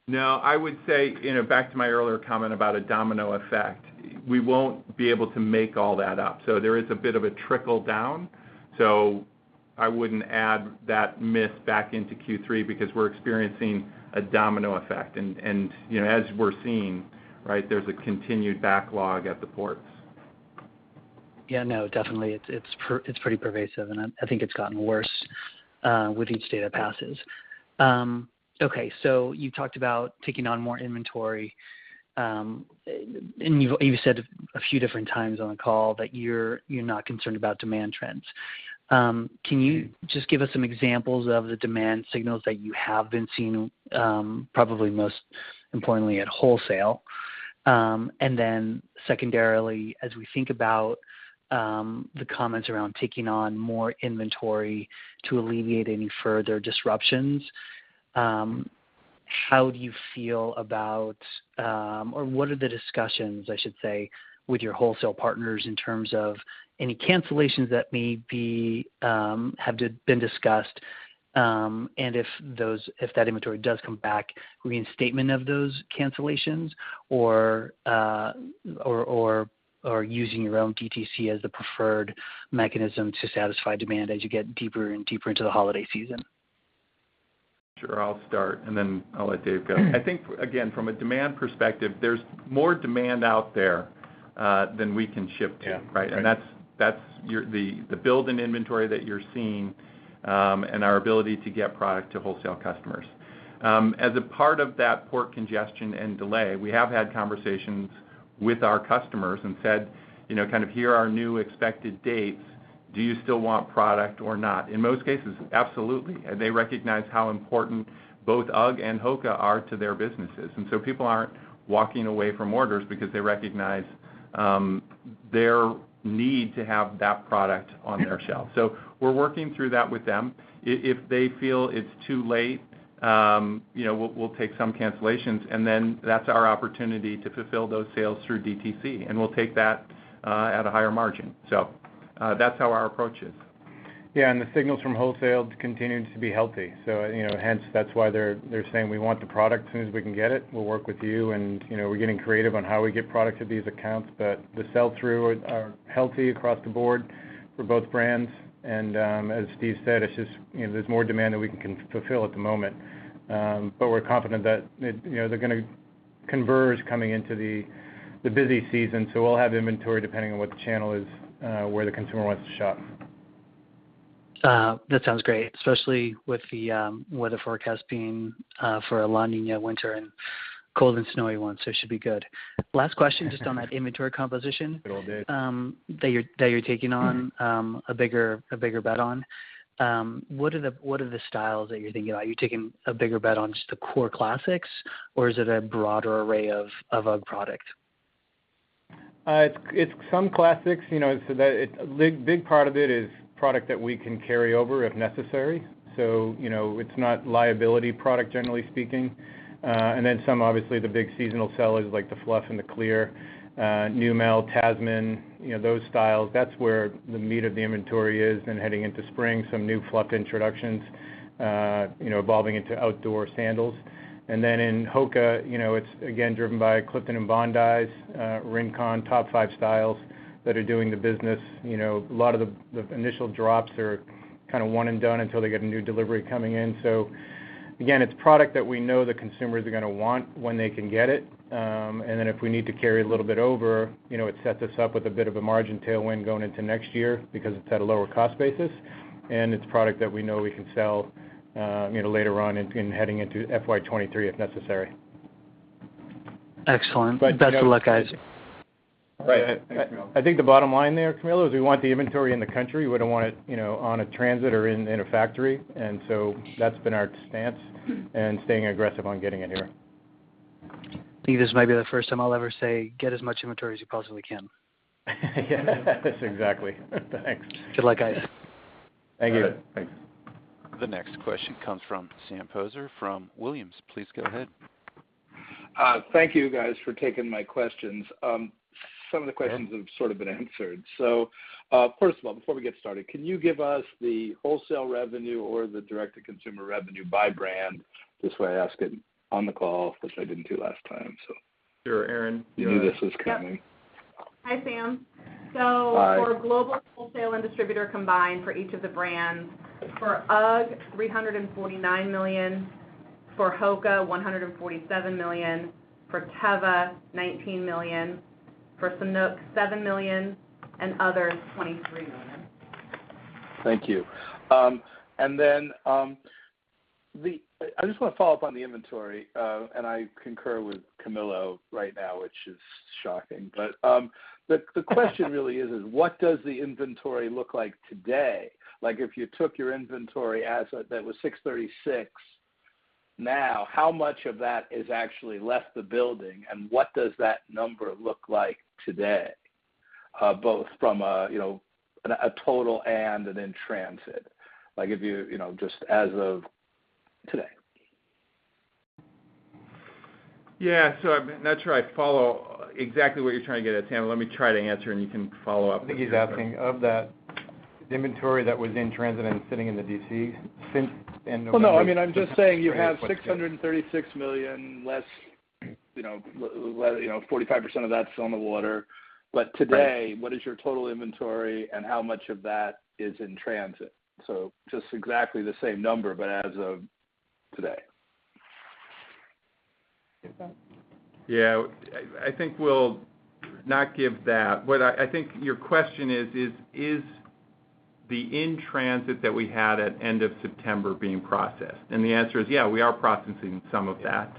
No, I would say, you know, back to my earlier comment about a domino effect, we won't be able to make all that up, so there is a bit of a trickle down. I wouldn't add that miss back into Q3 because we're experiencing a domino effect. You know, as we're seeing, right, there's a continued backlog at the ports. Yeah. No, definitely. It's pretty pervasive, and I think it's gotten worse with each day that passes. Okay. You talked about taking on more inventory, and you've said a few different times on the call that you're not concerned about demand trends. Can you just give us some examples of the demand signals that you have been seeing, probably most importantly at wholesale? Secondarily, as we think about the comments around taking on more inventory to alleviate any further disruptions, what are the discussions, I should say, with your wholesale partners in terms of any cancellations that may have been discussed, and if that inventory does come back, reinstatement of those cancellations or using your own DTC as the preferred mechanism to satisfy demand as you get deeper and deeper into the holiday season? Sure. I'll start, and then I'll let Dave go. I think, again, from a demand perspective, there's more demand out there than we can ship to, right? Yeah. That's your build in inventory that you're seeing, and our ability to get product to wholesale customers. As a part of that port congestion and delay, we have had conversations with our customers and said, you know, kind of here are our new expected dates. Do you still want product or not? In most cases, absolutely. They recognize how important both UGG and HOKA are to their businesses. People aren't walking away from orders because they recognize their need to have that product on their shelves. We're working through that with them. If they feel it's too late, you know, we'll take some cancellations, and then that's our opportunity to fulfill those sales through DTC, and we'll take that at a higher margin. That's how our approach is. Yeah. The signals from wholesale continues to be healthy. You know, hence that's why they're saying we want the product as soon as we can get it. We'll work with you. You know, we're getting creative on how we get product to these accounts. The sell-through are healthy across the board for both brands. As Steve said, it's just, you know, there's more demand than we can fulfill at the moment. We're confident that it, you know, they're gonna converge coming into the busy season, so we'll have inventory depending on what the channel is, where the consumer wants to shop. That sounds great, especially with the weather forecast being for a La Niña winter and cold and snowy one, so it should be good. Last question just on that inventory composition- A little bit. that you're taking on a bigger bet on. What are the styles that you're thinking about? Are you taking a bigger bet on just the core classics, or is it a broader array of UGG product? It's some classics. You know, a big, big part of it is product that we can carry over if necessary. It's not liability product, generally speaking. Some obviously the big seasonal sellers like the Fluff and the Classic Clear, Neumel, Tasman, you know, those styles. That's where the meat of the inventory is. Heading into spring, some new Fluff introductions, you know, evolving into outdoor sandals. In HOKA, you know, it's again driven by Clifton and Bondi, Rincon, top five styles that are doing the business. You know, a lot of the initial drops are kind of one and done until they get a new delivery coming in. Again, it's product that we know the consumers are gonna want when they can get it. Then if we need to carry a little bit over, you know, it sets us up with a bit of a margin tailwind going into next year because it's at a lower cost basis, and it's product that we know we can sell, you know, later on in heading into FY 2023, if necessary. Excellent. But- Best of luck, guys. Right. I think the bottom line there, Camilo, is we want the inventory in the country. We don't want it, you know, on a transit or in a factory, and so that's been our stance, and staying aggressive on getting it here. I think this might be the first time I'll ever say, "Get as much inventory as you possibly can. Yes, exactly. Thanks. Good luck, guys. Thank you. All right. Thanks. The next question comes from Sam Poser from Williams. Please go ahead. Thank you guys for taking my questions. Some of the questions Yeah have sort of been answered. First of all, before we get started, can you give us the wholesale revenue or the direct-to-consumer revenue by brand? This way, I ask it on the call, which I didn't do last time, so. Sure. Erinn, do you want to? You knew this was coming. Yep. Hi, Sam. Hi. For global wholesale and distributor combined for each of the brands, for UGG, $349 million, for HOKA, $147 million, for Teva, $19 million, for Sanuk, $7 million, and other, $23 million. Thank you. And then I just wanna follow up on the inventory, and I concur with Camilo right now, which is shocking. The question really is what does the inventory look like today? Like, if you took your inventory as of that was 636 now, how much of that has actually left the building, and what does that number look like today, both from a you know, a total and in transit? Like, if you you know, just as of today. Yeah. I'm not sure I follow exactly what you're trying to get at, Sam. Let me try to answer, and you can follow up if you're- I think he's asking of that inventory that was in transit and sitting in the DC in November. Well, no, I mean, I'm just saying you have $636 million less, you know, 45% of that's on the water. Today- Right What is your total inventory, and how much of that is in transit? Just exactly the same number, but as of today. Okay. Yeah. I think we'll not give that. What I think your question is the in transit that we had at end of September being processed? The answer is yeah, we are processing some of that.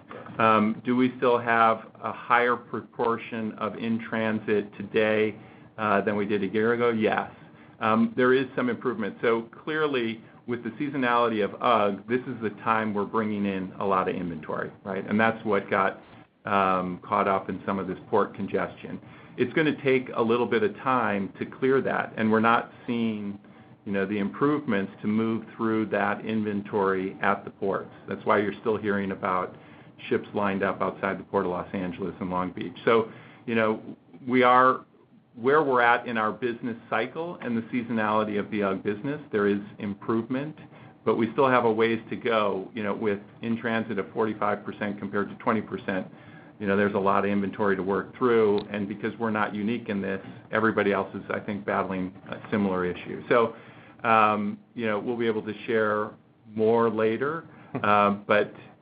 Do we still have a higher proportion of in transit today than we did a year ago? Yes. There is some improvement. Clearly, with the seasonality of UGG, this is the time we're bringing in a lot of inventory, right? That's what got caught up in some of this port congestion. It's gonna take a little bit of time to clear that, and we're not seeing the improvements to move through that inventory at the ports. That's why you're still hearing about ships lined up outside the port of Los Angeles and Long Beach. You know, where we're at in our business cycle and the seasonality of the UGG business, there is improvement, but we still have a ways to go, you know, with in transit of 45% compared to 20%. You know, there's a lot of inventory to work through. Because we're not unique in this, everybody else is, I think, battling a similar issue. You know, we'll be able to share more later.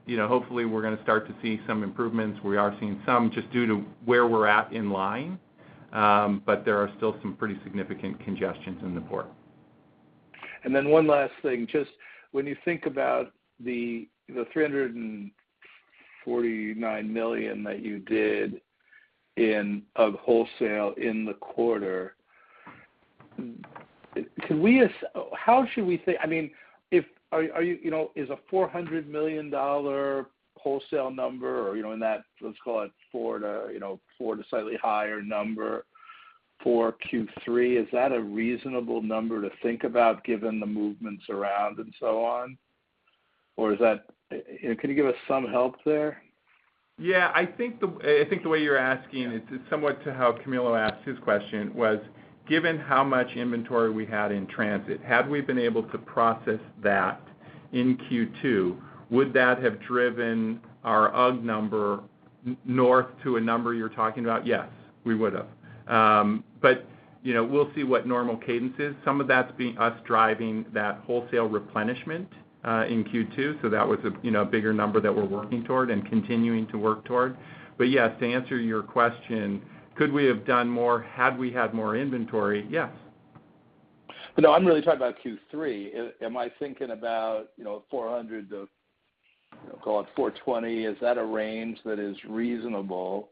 You know, hopefully we're gonna start to see some improvements. We are seeing some just due to where we're at in line, but there are still some pretty significant congestions in the port. One last thing. Just when you think about the 349 million that you did in UGG wholesale in the quarter, can we—how should we think—I mean, if—are you—you know, is a $400 million wholesale number or, you know, in that, let's call it $400 million to slightly higher number for Q3, is that a reasonable number to think about given the movements around and so on? Or is that? You know, can you give us some help there? Yeah. I think the way you're asking it is similar to how Camilo asked his question: given how much inventory we had in transit, had we been able to process that in Q2, would that have driven our UGG number north to a number you're talking about? Yes, we would've. You know, we'll see what normal cadence is. Some of that's us driving that wholesale replenishment in Q2, so that was a bigger number that we're working toward and continuing to work toward. Yes, to answer your question, could we have done more had we had more inventory? Yes. No, I'm really talking about Q3. Am I thinking about, you know, $400 to, call it $420? Is that a range that is reasonable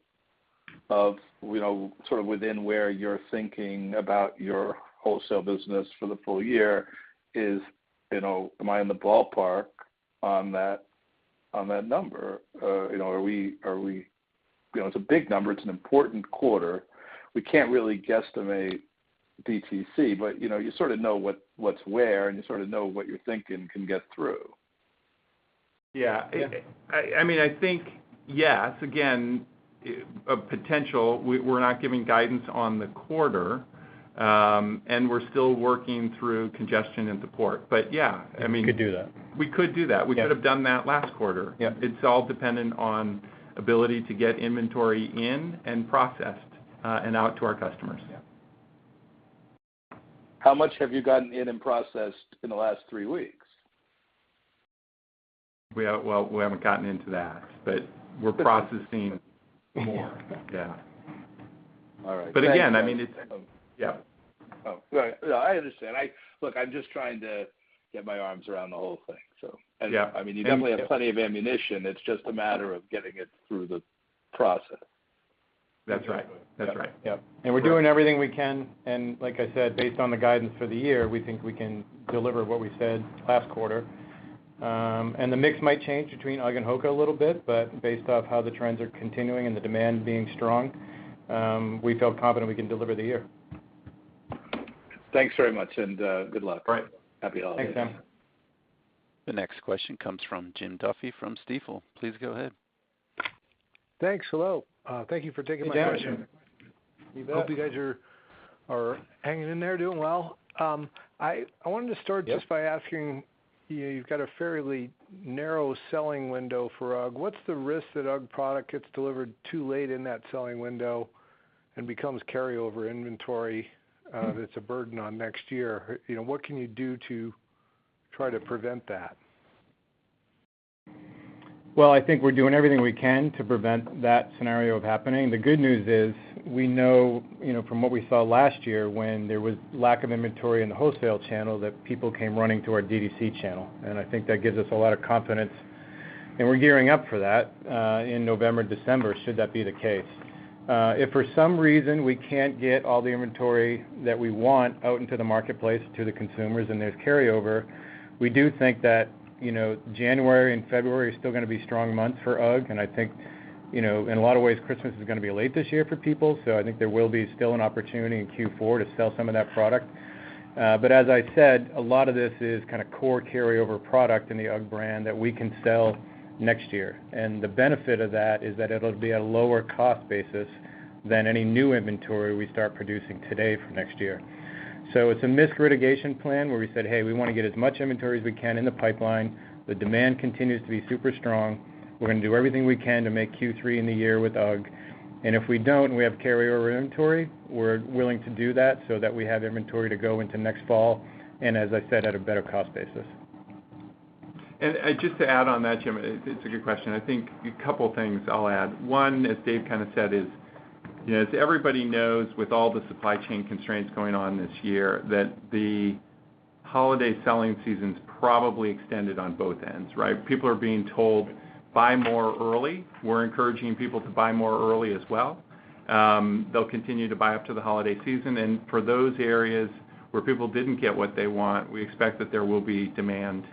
of, you know, sort of within where you're thinking about your wholesale business for the full year? You know, am I in the ballpark on that number? You know, are we. You know, it's a big number, it's an important quarter. We can't really guesstimate DTC, but, you know, you sort of know what's where, and you sort of know what you're thinking can get through. Yeah. Yeah. I mean, I think yes. Again, potential. We're not giving guidance on the quarter, and we're still working through congestion in the port. But yeah, I mean You could do that? We could do that. Yeah. We could have done that last quarter. Yeah. It's all dependent on ability to get inventory in and processed, and out to our customers. How much have you gotten in and processed in the last three weeks? We haven't gotten into that, but we're processing more. Yeah. All right. Again, I mean, it's. Yeah. Oh, right. No, I understand. Look, I'm just trying to get my arms around the whole thing, so. Yeah. I mean, you definitely have plenty of ammunition. It's just a matter of getting it through the process. That's right. That's right. Yeah. We're doing everything we can. Like I said, based on the guidance for the year, we think we can deliver what we said last quarter. The mix might change between UGG and HOKA a little bit, but based off how the trends are continuing and the demand being strong, we feel confident we can deliver the year. Thanks very much, and good luck. Great. Happy holidays. Thanks, Sam. The next question comes from Jim Duffy from Stifel. Please go ahead. Thanks. Hello. Thank you for taking my question. Hey, Jim. You bet. Hope you guys are hanging in there, doing well. I wanted to start- Yep. Just by asking, you know, you've got a fairly narrow selling window for UGG. What's the risk that UGG product gets delivered too late in that selling window and becomes carryover inventory, that's a burden on next year? You know, what can you do to try to prevent that? Well, I think we're doing everything we can to prevent that scenario of happening. The good news is, we know, you know, from what we saw last year when there was lack of inventory in the wholesale channel, that people came running to our DDC channel. I think that gives us a lot of confidence, and we're gearing up for that, in November, December, should that be the case. If for some reason we can't get all the inventory that we want out into the marketplace to the consumers and there's carryover, we do think that, you know, January and February are still gonna be strong months for UGG. I think, you know, in a lot of ways, Christmas is gonna be late this year for people, so I think there will be still an opportunity in Q4 to sell some of that product. As I said, a lot of this is kinda core carryover product in the UGG brand that we can sell next year. The benefit of that is that it'll be a lower cost basis than any new inventory we start producing today for next year. It's a risk mitigation plan where we said, "Hey, we wanna get as much inventory as we can in the pipeline. The demand continues to be super strong. We're gonna do everything we can to make Q3 in the year with UGG. And if we don't, and we have carryover inventory, we're willing to do that so that we have inventory to go into next fall, and as I said, at a better cost basis. Just to add on that, Jim, it's a good question. I think a couple things I'll add. One, as Dave kinda said, is you know, as everybody knows with all the supply chain constraints going on this year, that the holiday selling season's probably extended on both ends, right? People are being told, "Buy more early." We're encouraging people to buy more early as well. They'll continue to buy up to the holiday season. For those areas where people didn't get what they want, we expect that there will be demand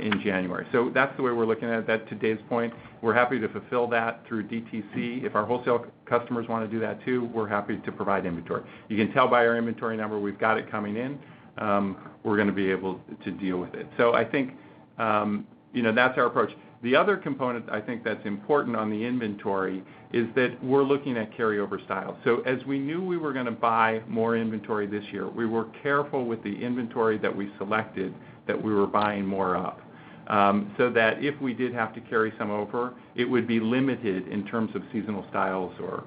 in January. That's the way we're looking at that. To Dave's point, we're happy to fulfill that through DTC. If our wholesale customers wanna do that too, we're happy to provide inventory. You can tell by our inventory number, we've got it coming in. We're gonna be able to deal with it. I think, you know, that's our approach. The other component I think that's important on the inventory is that we're looking at carryover style. As we knew we were gonna buy more inventory this year, we were careful with the inventory that we selected that we were buying more of, that if we did have to carry some over, it would be limited in terms of seasonal styles or,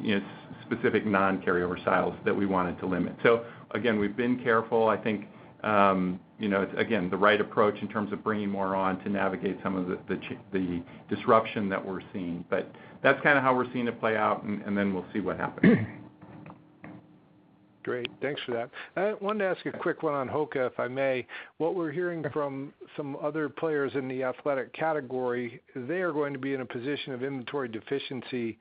you know, specific non-carryover styles that we wanted to limit. Again, we've been careful. I think, you know, it's again, the right approach in terms of bringing more on to navigate some of the disruption that we're seeing. That's kinda how we're seeing it play out, and then we'll see what happens. Great. Thanks for that. I wanted to ask a quick one on HOKA, if I may. What we're hearing from some other players in the athletic category, they are going to be in a position of inventory deficiency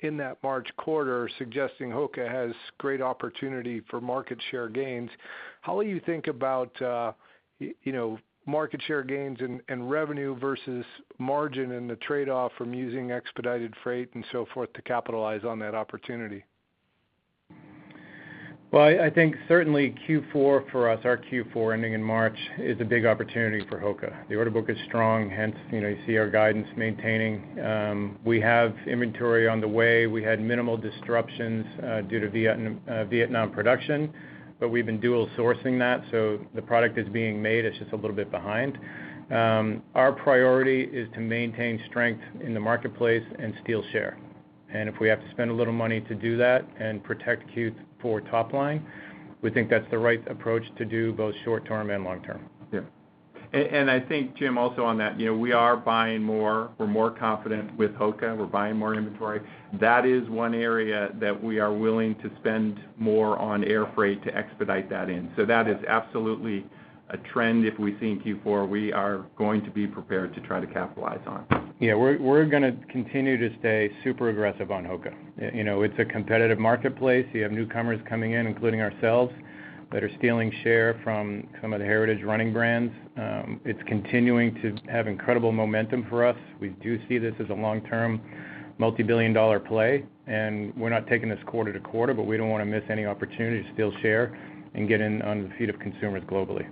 in that March quarter, suggesting HOKA has great opportunity for market share gains. How will you think about market share gains and revenue versus margin and the trade-off from using expedited freight and so forth to capitalize on that opportunity? Well, I think certainly Q4 for us, our Q4 ending in March, is a big opportunity for HOKA. The order book is strong, hence, you know, you see our guidance maintaining. We have inventory on the way. We had minimal disruptions due to Vietnam production, but we've been dual sourcing that, so the product is being made. It's just a little bit behind. Our priority is to maintain strength in the marketplace and steal share. If we have to spend a little money to do that and protect Q4 top line, we think that's the right approach to do both short term and long term. I think, Jim, also on that, you know, we are buying more. We're more confident with HOKA. We're buying more inventory. That is one area that we are willing to spend more on air freight to expedite that in. That is absolutely a trend if we see in Q4. We are going to be prepared to try to capitalize on. Yeah. We're gonna continue to stay super aggressive on HOKA. You know, it's a competitive marketplace. You have newcomers coming in, including ourselves, that are stealing share from some of the heritage running brands. It's continuing to have incredible momentum for us. We do see this as a long-term, multi-billion dollar play, and we're not taking this quarter to quarter, but we don't wanna miss any opportunity to steal share and get in on the feet of consumers globally.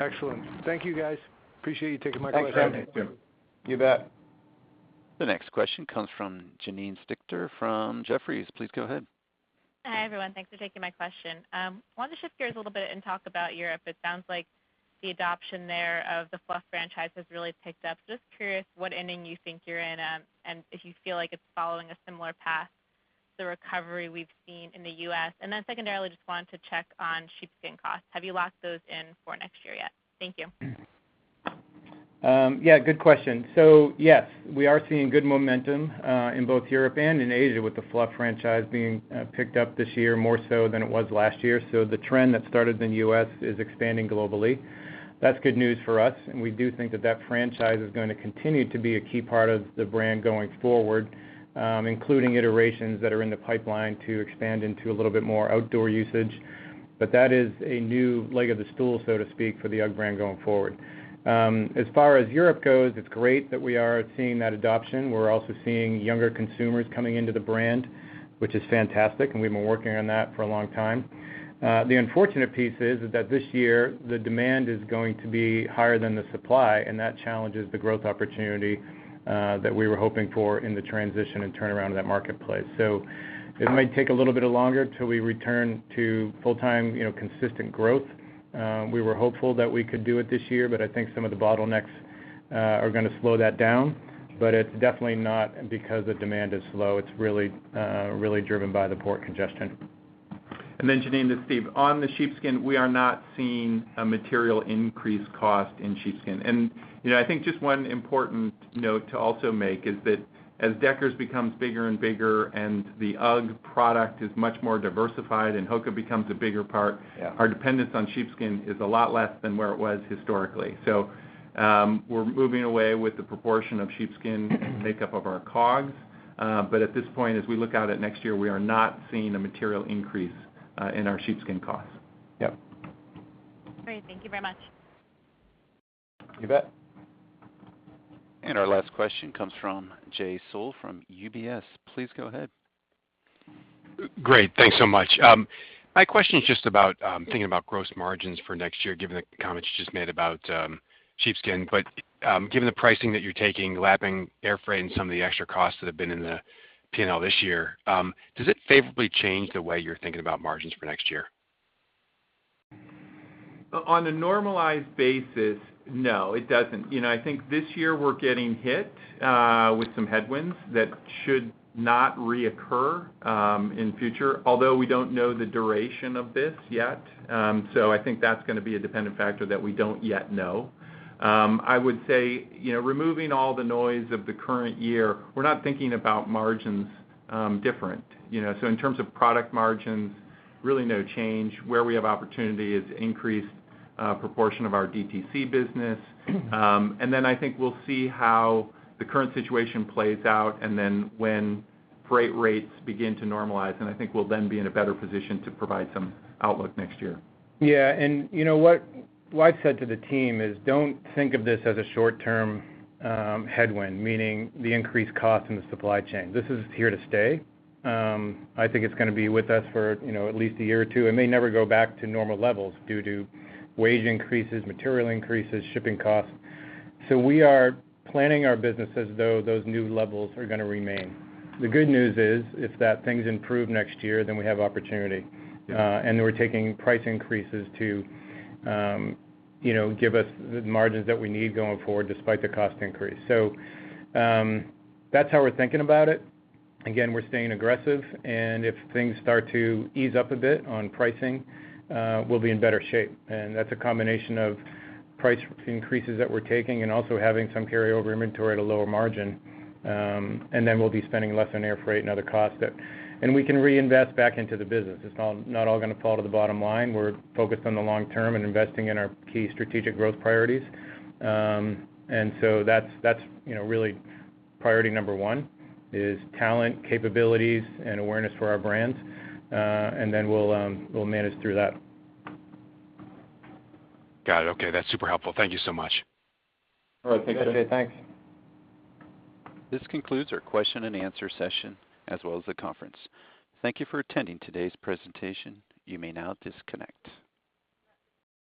Excellent. Thank you, guys. Appreciate you taking my call. Thanks, Jim. You bet. The next question comes from Janine Stichter from Jefferies. Please go ahead. Hi, everyone. Thanks for taking my question. Wanted to shift gears a little bit and talk about Europe. It sounds like The adoption there of the Fluff franchise has really picked up. Just curious what inning you think you're in, and if you feel like it's following a similar path, the recovery we've seen in the U.S. Secondarily, I just wanted to check on sheepskin costs. Have you locked those in for next year yet? Thank you. Yeah, good question. Yes, we are seeing good momentum in both Europe and in Asia with the Fluff franchise being picked up this year more so than it was last year. The trend that started in the U.S. is expanding globally. That's good news for us, and we do think that that franchise is gonna continue to be a key part of the brand going forward, including iterations that are in the pipeline to expand into a little bit more outdoor usage. That is a new leg of the stool, so to speak, for the UGG brand going forward. As far as Europe goes, it's great that we are seeing that adoption. We're also seeing younger consumers coming into the brand, which is fantastic, and we've been working on that for a long time. The unfortunate piece is that this year the demand is going to be higher than the supply, and that challenges the growth opportunity that we were hoping for in the transition and turnaround of that marketplace. It may take a little bit longer till we return to full-time, you know, consistent growth. We were hopeful that we could do it this year, but I think some of the bottlenecks are gonna slow that down. It's definitely not because the demand is slow. It's really really driven by the port congestion. Janine, this is Steve. On the sheepskin, we are not seeing a material increase in cost in sheepskin. You know, I think just one important note to also make is that as Deckers becomes bigger and bigger and the UGG product is much more diversified and HOKA becomes a bigger part- Yeah Our dependence on sheepskin is a lot less than where it was historically. We're moving away from the proportion of sheepskin makeup of our COGS, but at this point, as we look out at next year, we are not seeing a material increase in our sheepskin costs. Yep. Great. Thank you very much. You bet. Our last question comes from Jay Sole from UBS. Please go ahead. Great. Thanks so much. My question is just about thinking about gross margins for next year, given the comments you just made about sheepskin. Given the pricing that you're taking, lapping air freight and some of the extra costs that have been in the P&L this year, does it favorably change the way you're thinking about margins for next year? On a normalized basis, no, it doesn't. You know, I think this year we're getting hit with some headwinds that should not reoccur in future, although we don't know the duration of this yet. I think that's gonna be a dependent factor that we don't yet know. I would say, you know, removing all the noise of the current year, we're not thinking about margins different, you know. In terms of product margins, really no change. Where we have opportunity is increased proportion of our DTC business. I think we'll see how the current situation plays out and then when freight rates begin to normalize, and I think we'll then be in a better position to provide some outlook next year. You know what I've said to the team is don't think of this as a short-term headwind, meaning the increased cost in the supply chain. This is here to stay. I think it's gonna be with us for, you know, at least a year or two. It may never go back to normal levels due to wage increases, material increases, shipping costs. We are planning our business as though those new levels are gonna remain. The good news is, if that things improve next year, then we have opportunity. Yeah. We're taking price increases to, you know, give us the margins that we need going forward despite the cost increase. That's how we're thinking about it. Again, we're staying aggressive, and if things start to ease up a bit on pricing, we'll be in better shape, and that's a combination of price increases that we're taking and also having some carryover inventory at a lower margin. Then we'll be spending less on air freight and other costs, and we can reinvest back into the business. It's not all gonna fall to the bottom line. We're focused on the long term and investing in our key strategic growth priorities. That's, you know, really priority number one is talent, capabilities, and awareness for our brands. We'll manage through that. Got it. Okay. That's super helpful. Thank you so much. All right. Take care. Okay, thanks. This concludes our question and answer session as well as the conference. Thank you for attending today's presentation. You may now disconnect.